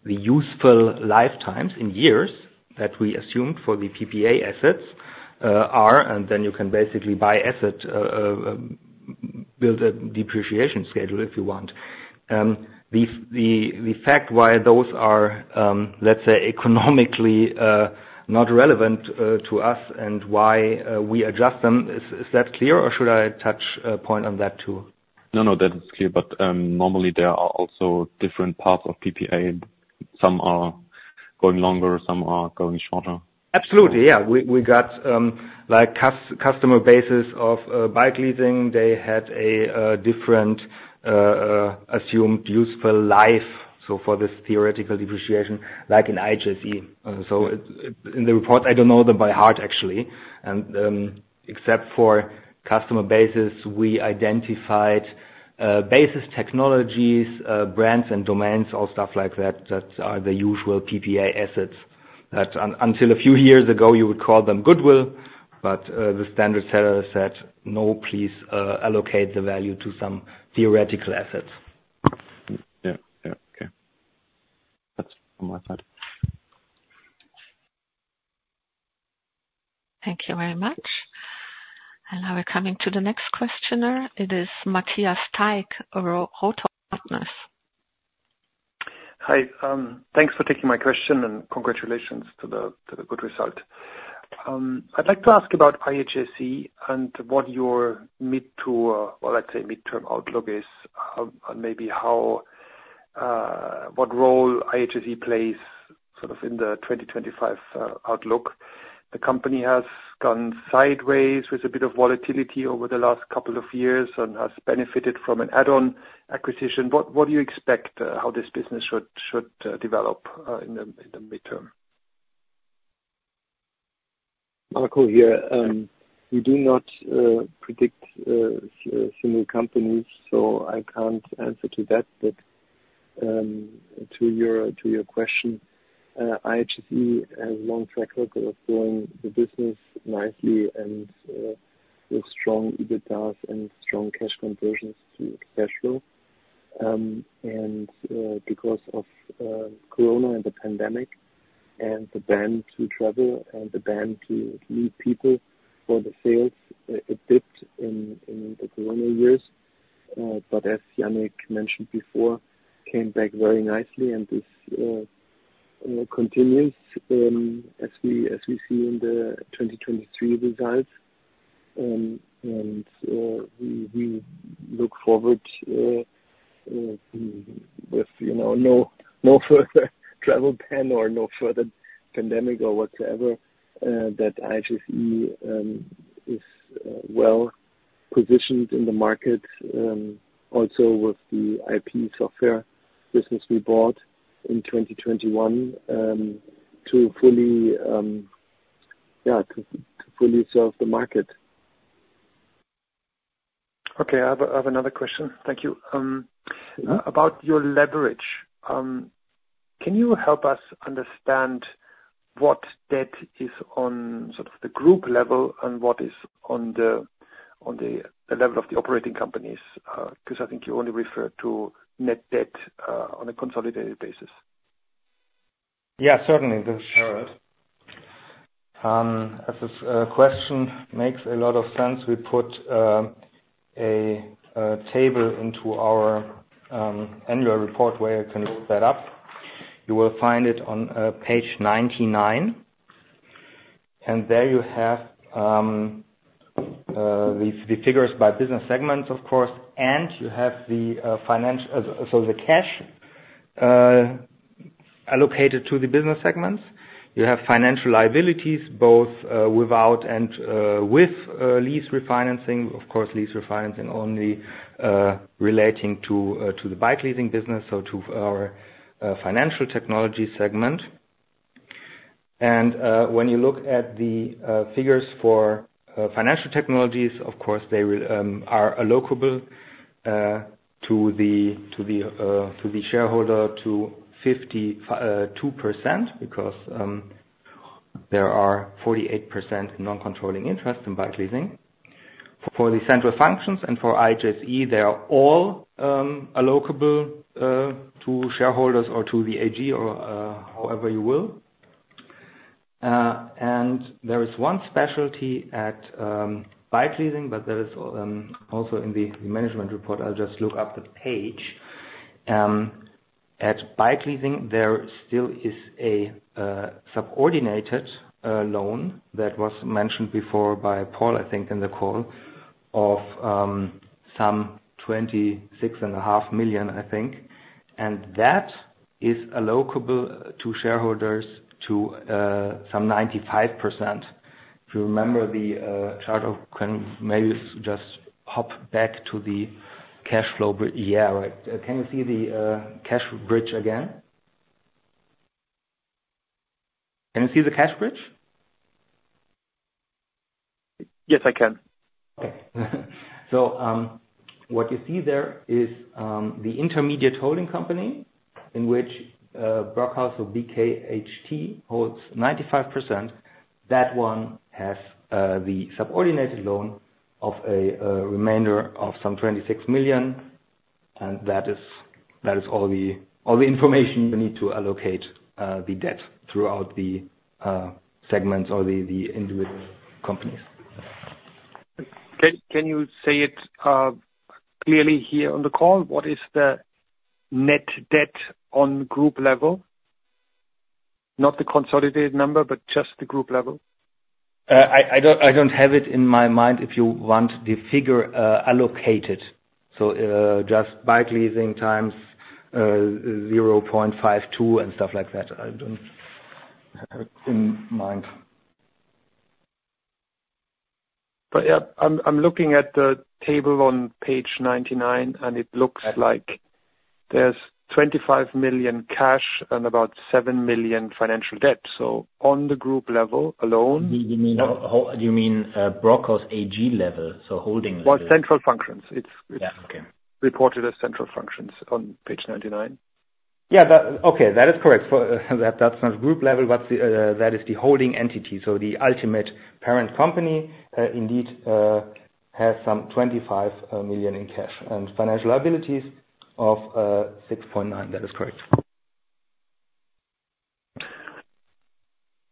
D: useful lifetimes in years that we assumed for the PPA assets are. And then you can basically per asset build a depreciation schedule if you want. The fact why those are, let's say, economically not relevant to us and why we adjust them, is that clear, or should I touch a point on that too?
F: No, no. That is clear. But normally, there are also different parts of PPA. Some are going longer. Some are going shorter.
D: Absolutely. Yeah. We got customer bases of bike leasing. They had a different assumed useful life, so for this theoretical depreciation, like in IHSE. So in the report, I don't know them by heart, actually. Except for customer bases, we identified basis technologies, brands, and domains, all stuff like that that are the usual PPA assets. Until a few years ago, you would call them goodwill, but the standard seller said, "No, please allocate the value to some theoretical assets.
F: Yeah. Yeah. Okay. That's from my side.
A: Thank you very much. Now we're coming to the next questioner. It is Matthias Teig, Rothorn Partners.
H: Hi. Thanks for taking my question, and congratulations to the good result. I'd like to ask about IHSE and what your mid-to-well, let's say, mid-term outlook is and maybe what role IHSE plays sort of in the 2025 outlook. The company has gone sideways with a bit of volatility over the last couple of years and has benefited from an add-on acquisition. What do you expect how this business should develop in the mid-term?
B: Marco here. We do not predict single companies, so I can't answer to that. But to your question, IHSE has a long track record of growing the business nicely and with strong EBITDAs and strong cash conversions to cash flow. And because of corona and the pandemic and the ban to travel and the ban to leave people for the sales, it dipped in the corona years. But as Yannick mentioned before, came back very nicely, and this continues as we see in the 2023 results. And we look forward with no further travel ban or no further pandemic or whatsoever that IHSE is well positioned in the market, also with the IP software business we bought in 2021 to fully, to fully serve the market.
H: Okay. I have another question. Thank you. About your leverage, can you help us understand what debt is on sort of the group level and what is on the level of the operating companies? Because I think you only refer to net debt on a consolidated basis.
C: Yeah. Certainly. This is Harald. As this question makes a lot of sense, we put a table into our annual report where you can look that up. You will find it on page 99. And there you have the figures by business segments, of course, and you have the financial so the cash allocated to the business segments. You have financial liabilities, both without and with lease refinancing, of course, lease refinancing only relating to the bike leasing business, so to our financial technology segment. And when you look at the figures for financial technologies, of course, they are allocable to the shareholder to 52% because there are 48% in non-controlling interest in bike leasing. For the central functions and for IHSE, they are all allocable to shareholders or to the AG or however you will. There is one specialty at bike leasing, but that is also in the management report. I'll just look up the page. At bike leasing, there still is a subordinated loan that was mentioned before by Paul, I think, in the call of some 26.5 million, I think. And that is allocable to shareholders to some 95%. If you remember the chart of can you maybe just hop back to the cash flow year, right? Can you see the cash bridge again? Can you see the cash bridge?
H: Yes, I can.
C: Okay. What you see there is the intermediate holding company in which Brockhaus, or BKHT, holds 95%. That one has the subordinated loan of a remainder of some 26 million. That is all the information you need to allocate the debt throughout the segments or the individual companies.
H: Can you say it clearly here on the call? What is the net debt on group level? Not the consolidated number, but just the group level.
C: I don't have it in my mind if you want the figure allocated. So just bike leasing x0.52 and stuff like that. I don't have it in my mind.
H: But yeah, I'm looking at the table on page 99, and it looks like there's 25 million cash and about 7 million financial debt. So on the group level alone.
C: You mean how do you mean Brockhaus AG level, so holding level?
H: Well, central functions. It's reported as central functions on page 99.
C: Yeah. Okay. That is correct. That's not group level. That is the holding entity. So the ultimate parent company indeed has some 25 million in cash and financial liabilities of 6.9 million. That is correct.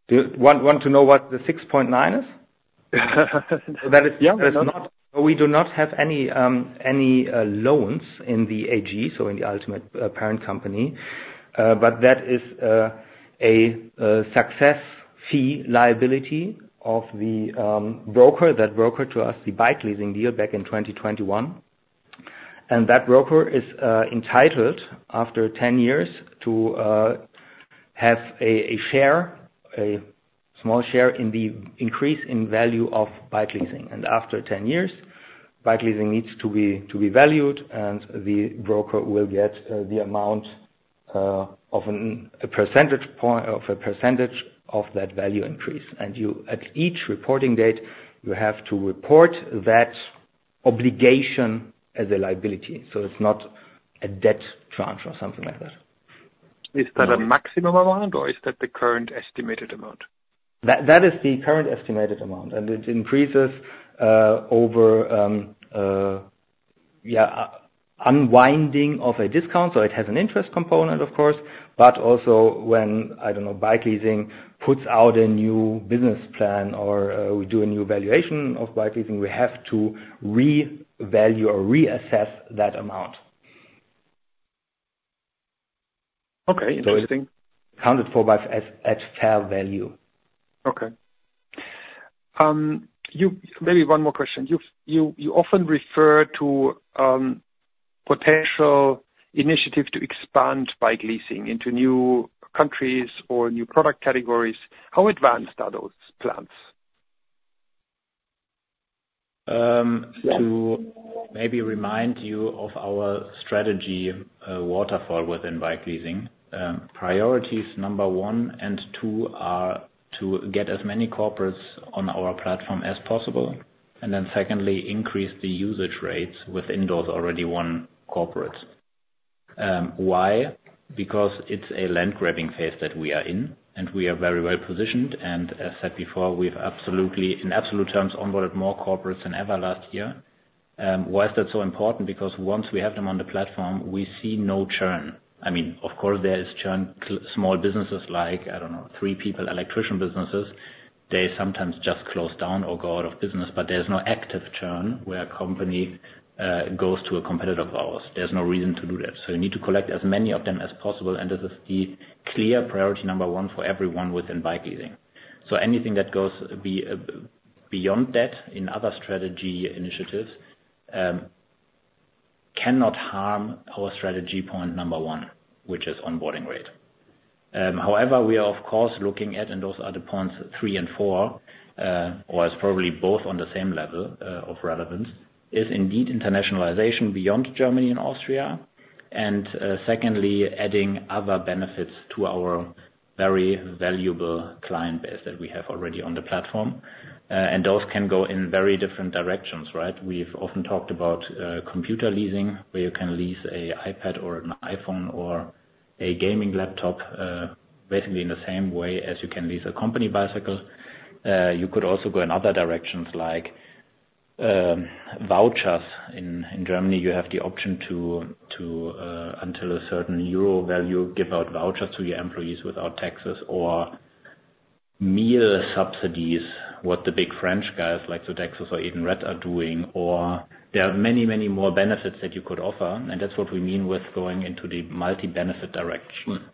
C: You want to know what the 6.9 is?
H: Yeah.
C: So, that is not we do not have any loans in the AG, so in the ultimate parent company. But that is a success fee liability of the broker that brokered to us the bike leasing deal back in 2021. And that broker is entitled, after 10 years, to have a share, a small share in the increase in value of bike leasing. And after 10 years, bike leasing needs to be valued, and the broker will get the amount of a percentage of that value increase. And at each reporting date, you have to report that obligation as a liability. So it's not a debt charge or something like that.
H: Is that a maximum amount, or is that the current estimated amount?
C: That is the current estimated amount. And it increases over, yeah, unwinding of a discount. So it has an interest component, of course. But also, when I don't know, bike leasing puts out a new business plan or we do a new valuation of bike leasing, we have to revalue or reassess that amount.
H: Okay. Interesting.
C: It's accounted for at fair value.
H: Okay. Maybe one more question. You often refer to potential initiatives to expand bike leasing into new countries or new product categories. How advanced are those plans?
D: To maybe remind you of our strategy waterfall within bike leasing, priorities one and two are to get as many corporates on our platform as possible. And then secondly, increase the usage rates within those already won corporates. Why? Because it's a landgrabbing phase that we are in, and we are very well positioned. And as said before, we've absolutely, in absolute terms, onboarded more corporates than ever last year. Why is that so important? Because once we have them on the platform, we see no churn. I mean, of course, there is churn. Small businesses like, I don't know, three-people electrician businesses, they sometimes just close down or go out of business, but there's no active churn where a company goes to a competitor of ours. There's no reason to do that. So you need to collect as many of them as possible. This is the clear priority 1 for everyone within bike leasing. So anything that goes beyond that in other strategy initiatives cannot harm our strategy point one, which is onboarding rate. However, we are, of course, looking at, and those are the points three and four, or it's probably both on the same level of relevance, is indeed internationalization beyond Germany and Austria. Secondly, adding other benefits to our very valuable client base that we have already on the platform. Those can go in very different directions, right? We've often talked about computer leasing, where you can lease an iPad or an iPhone or a gaming laptop basically in the same way as you can lease a company bicycle. You could also go in other directions like vouchers. In Germany, you have the option to, until a certain euro value, give out vouchers to your employees without taxes or meal subsidies, what the big French guys like Sodexo or Edenred are doing. Or there are many, many more benefits that you could offer. And that's what we mean with going into the multi-benefit direction.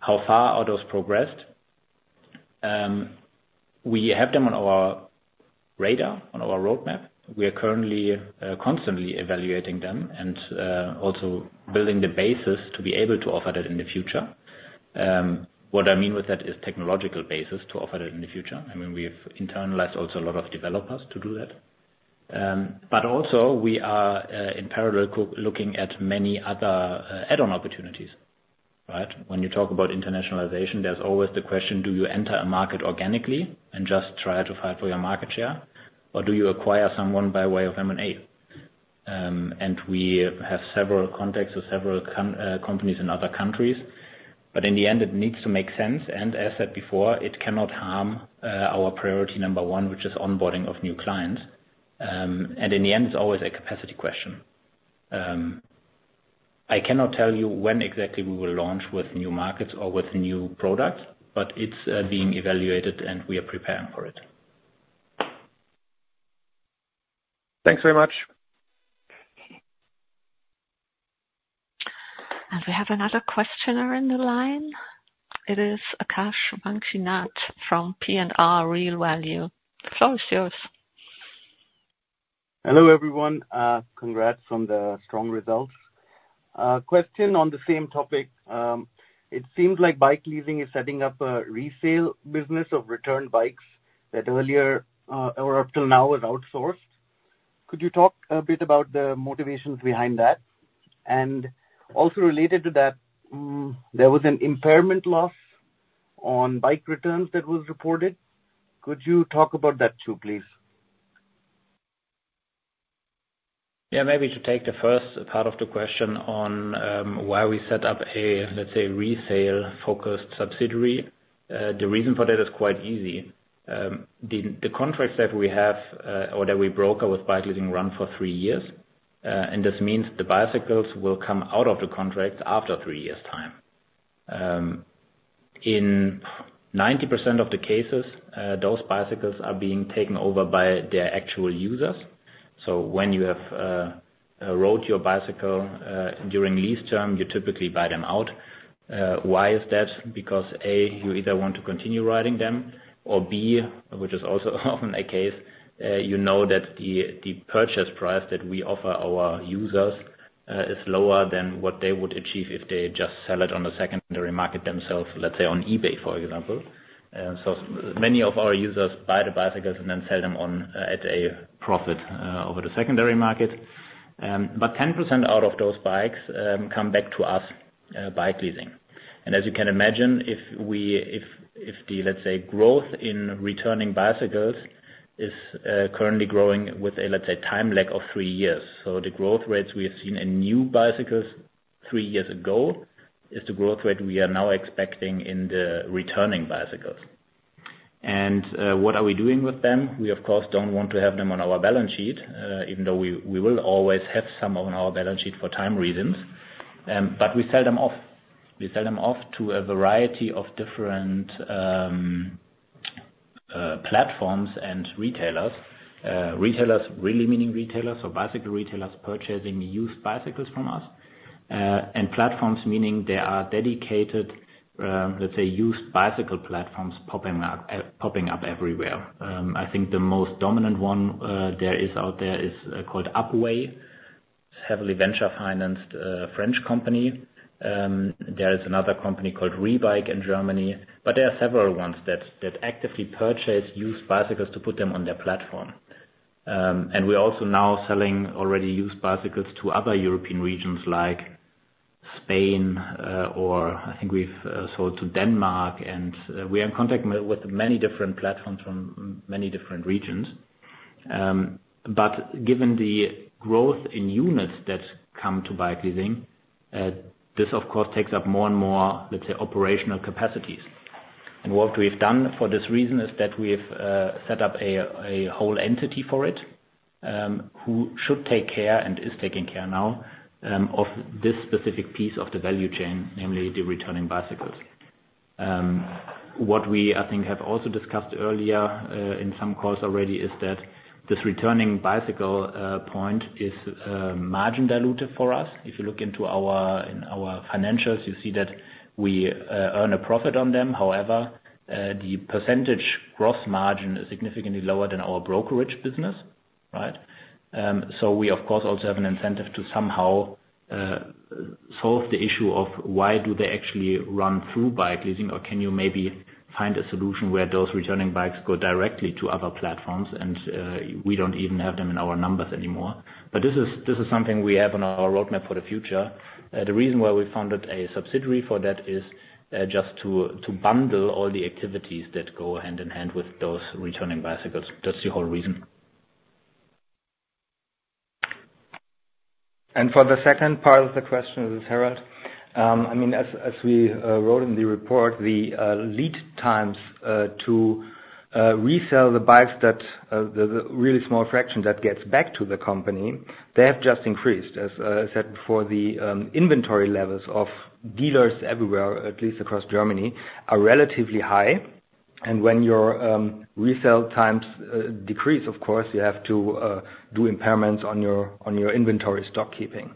D: How far are those progressed? We have them on our radar, on our roadmap. We are currently constantly evaluating them and also building the basis to be able to offer that in the future. What I mean with that is technological basis to offer that in the future. I mean, we've internalized also a lot of developers to do that. But also, we are, in parallel, looking at many other add-on opportunities, right? When you talk about internationalization, there's always the question, do you enter a market organically and just try to fight for your market share, or do you acquire someone by way of M&A? We have several contacts with several companies in other countries. But in the end, it needs to make sense. As said before, it cannot harm our priority number one, which is onboarding of new clients. In the end, it's always a capacity question. I cannot tell you when exactly we will launch with new markets or with new products, but it's being evaluated, and we are preparing for it.
H: Thanks very much.
A: We have another questioner in the line. It is Aakash Vanchinath from P&R Real Value. The floor is yours.
I: Hello, everyone. Congrats on the strong results. Question on the same topic. It seems like bike leasing is setting up a resale business of returned bikes that earlier or up till now was outsourced. Could you talk a bit about the motivations behind that? And also related to that, there was an impairment loss on bike returns that was reported. Could you talk about that too, please?
D: Yeah. Maybe to take the first part of the question on why we set up a, let's say, resale-focused subsidiary, the reason for that is quite easy. The contracts that we have or that we broker with bike leasing run for three years. This means the bicycles will come out of the contract after three years' time. In 90% of the cases, those bicycles are being taken over by their actual users. So when you have rode your bicycle during lease term, you typically buy them out. Why is that? Because, A, you either want to continue riding them, or B, which is also often a case, you know that the purchase price that we offer our users is lower than what they would achieve if they just sell it on a secondary market themselves, let's say, on eBay, for example. So many of our users buy the bicycles and then sell them at a profit over the secondary market. But 10% out of those bikes come back to us bike leasing. And as you can imagine, if the, let's say, growth in returning bicycles is currently growing with a, let's say, time lag of three years, so the growth rates we have seen in new bicycles three years ago is the growth rate we are now expecting in the returning bicycles. And what are we doing with them? We, of course, don't want to have them on our balance sheet, even though we will always have some on our balance sheet for time reasons. But we sell them off. We sell them off to a variety of different platforms and retailers. Retailers, really meaning retailers, so bicycle retailers purchasing used bicycles from us. Platforms, meaning there are dedicated, let's say, used bicycle platforms popping up everywhere. I think the most dominant one there is out there is called Upway, heavily venture-financed French company. There is another company called Rebike in Germany. But there are several ones that actively purchase used bicycles to put them on their platform. And we are also now selling already used bicycles to other European regions like Spain, or I think we've sold to Denmark. And we are in contact with many different platforms from many different regions. But given the growth in units that come to bike leasing, this, of course, takes up more and more, let's say, operational capacities. What we've done for this reason is that we've set up a whole entity for it who should take care and is taking care now of this specific piece of the value chain, namely the returning bicycles. What we, I think, have also discussed earlier in some calls already is that this returning bicycle point is margin diluted for us. If you look into our financials, you see that we earn a profit on them. However, the percentage gross margin is significantly lower than our brokerage business, right? So we, of course, also have an incentive to somehow solve the issue of why do they actually run through bike leasing, or can you maybe find a solution where those returning bikes go directly to other platforms, and we don't even have them in our numbers anymore? But this is something we have on our roadmap for the future. The reason why we founded a subsidiary for that is just to bundle all the activities that go hand in hand with those returning bicycles. That's the whole reason.
C: For the second part of the question, this is Harald. I mean, as we wrote in the report, the lead times to resell the bikes, the really small fraction that gets back to the company, they have just increased. As said before, the inventory levels of dealers everywhere, at least across Germany, are relatively high. When your resale times decrease, of course, you have to do impairments on your inventory stockkeeping.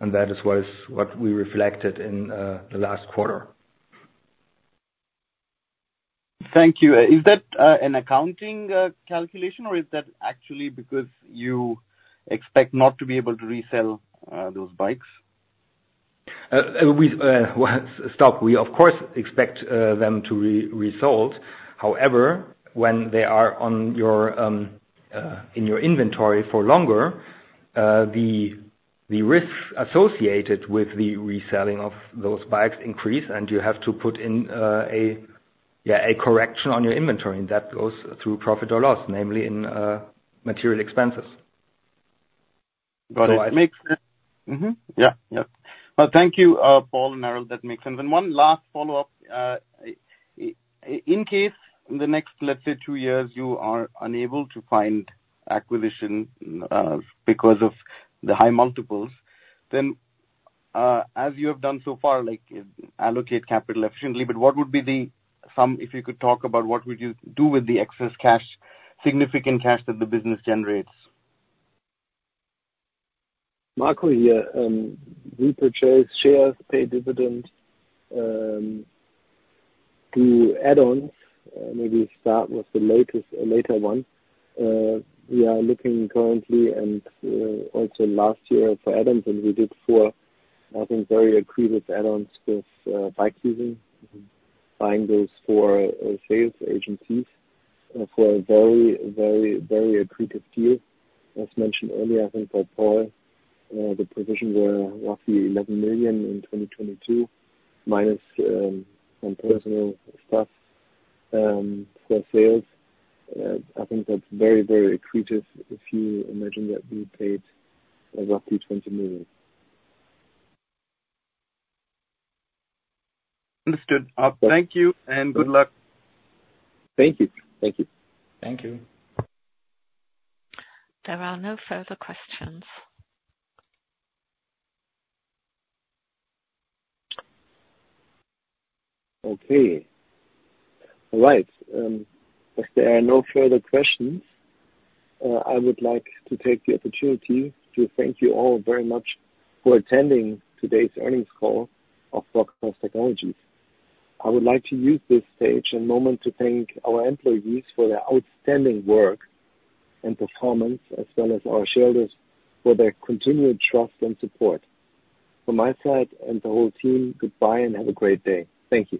C: That is what we reflected in the last quarter.
I: Thank you. Is that an accounting calculation, or is that actually because you expect not to be able to resell those bikes?
C: Stop. We, of course, expect them to resold. However, when they are in your inventory for longer, the risks associated with the reselling of those bikes increase, and you have to put in, yeah, a correction on your inventory. That goes through profit or loss, namely in material expenses.
I: Got it. It makes sense. Yeah. Yeah. Well, thank you, Paul and Harald. That makes sense. And one last follow-up. In case in the next, let's say, two years, you are unable to find acquisition because of the high multiples, then as you have done so far, allocate capital efficiently. But what would be the sum if you could talk about what would you do with the excess cash, significant cash that the business generates?
B: Marco here. We purchase shares, pay dividend through add-ons. Maybe start with the latter one. We are looking currently and also last year for add-ons. We did four, I think, very accretive add-ons with bike leasing, buying those for sales agencies for a very, very, very accretive deal. As mentioned earlier, I think, by Paul, the provision were roughly 11 million in 2022 minus some personal stuff for sales. I think that's very, very accretive if you imagine that we paid roughly 20 million.
I: Understood. Thank you and good luck.
B: Thank you.
D: Thank you.
C: Thank you.
A: There are no further questions.
B: Okay. All right. If there are no further questions, I would like to take the opportunity to thank you all very much for attending today's earnings call of Brockhaus Technologies. I would like to use this stage and moment to thank our employees for their outstanding work and performance, as well as our shareholders for their continued trust and support. From my side and the whole team, goodbye and have a great day. Thank you.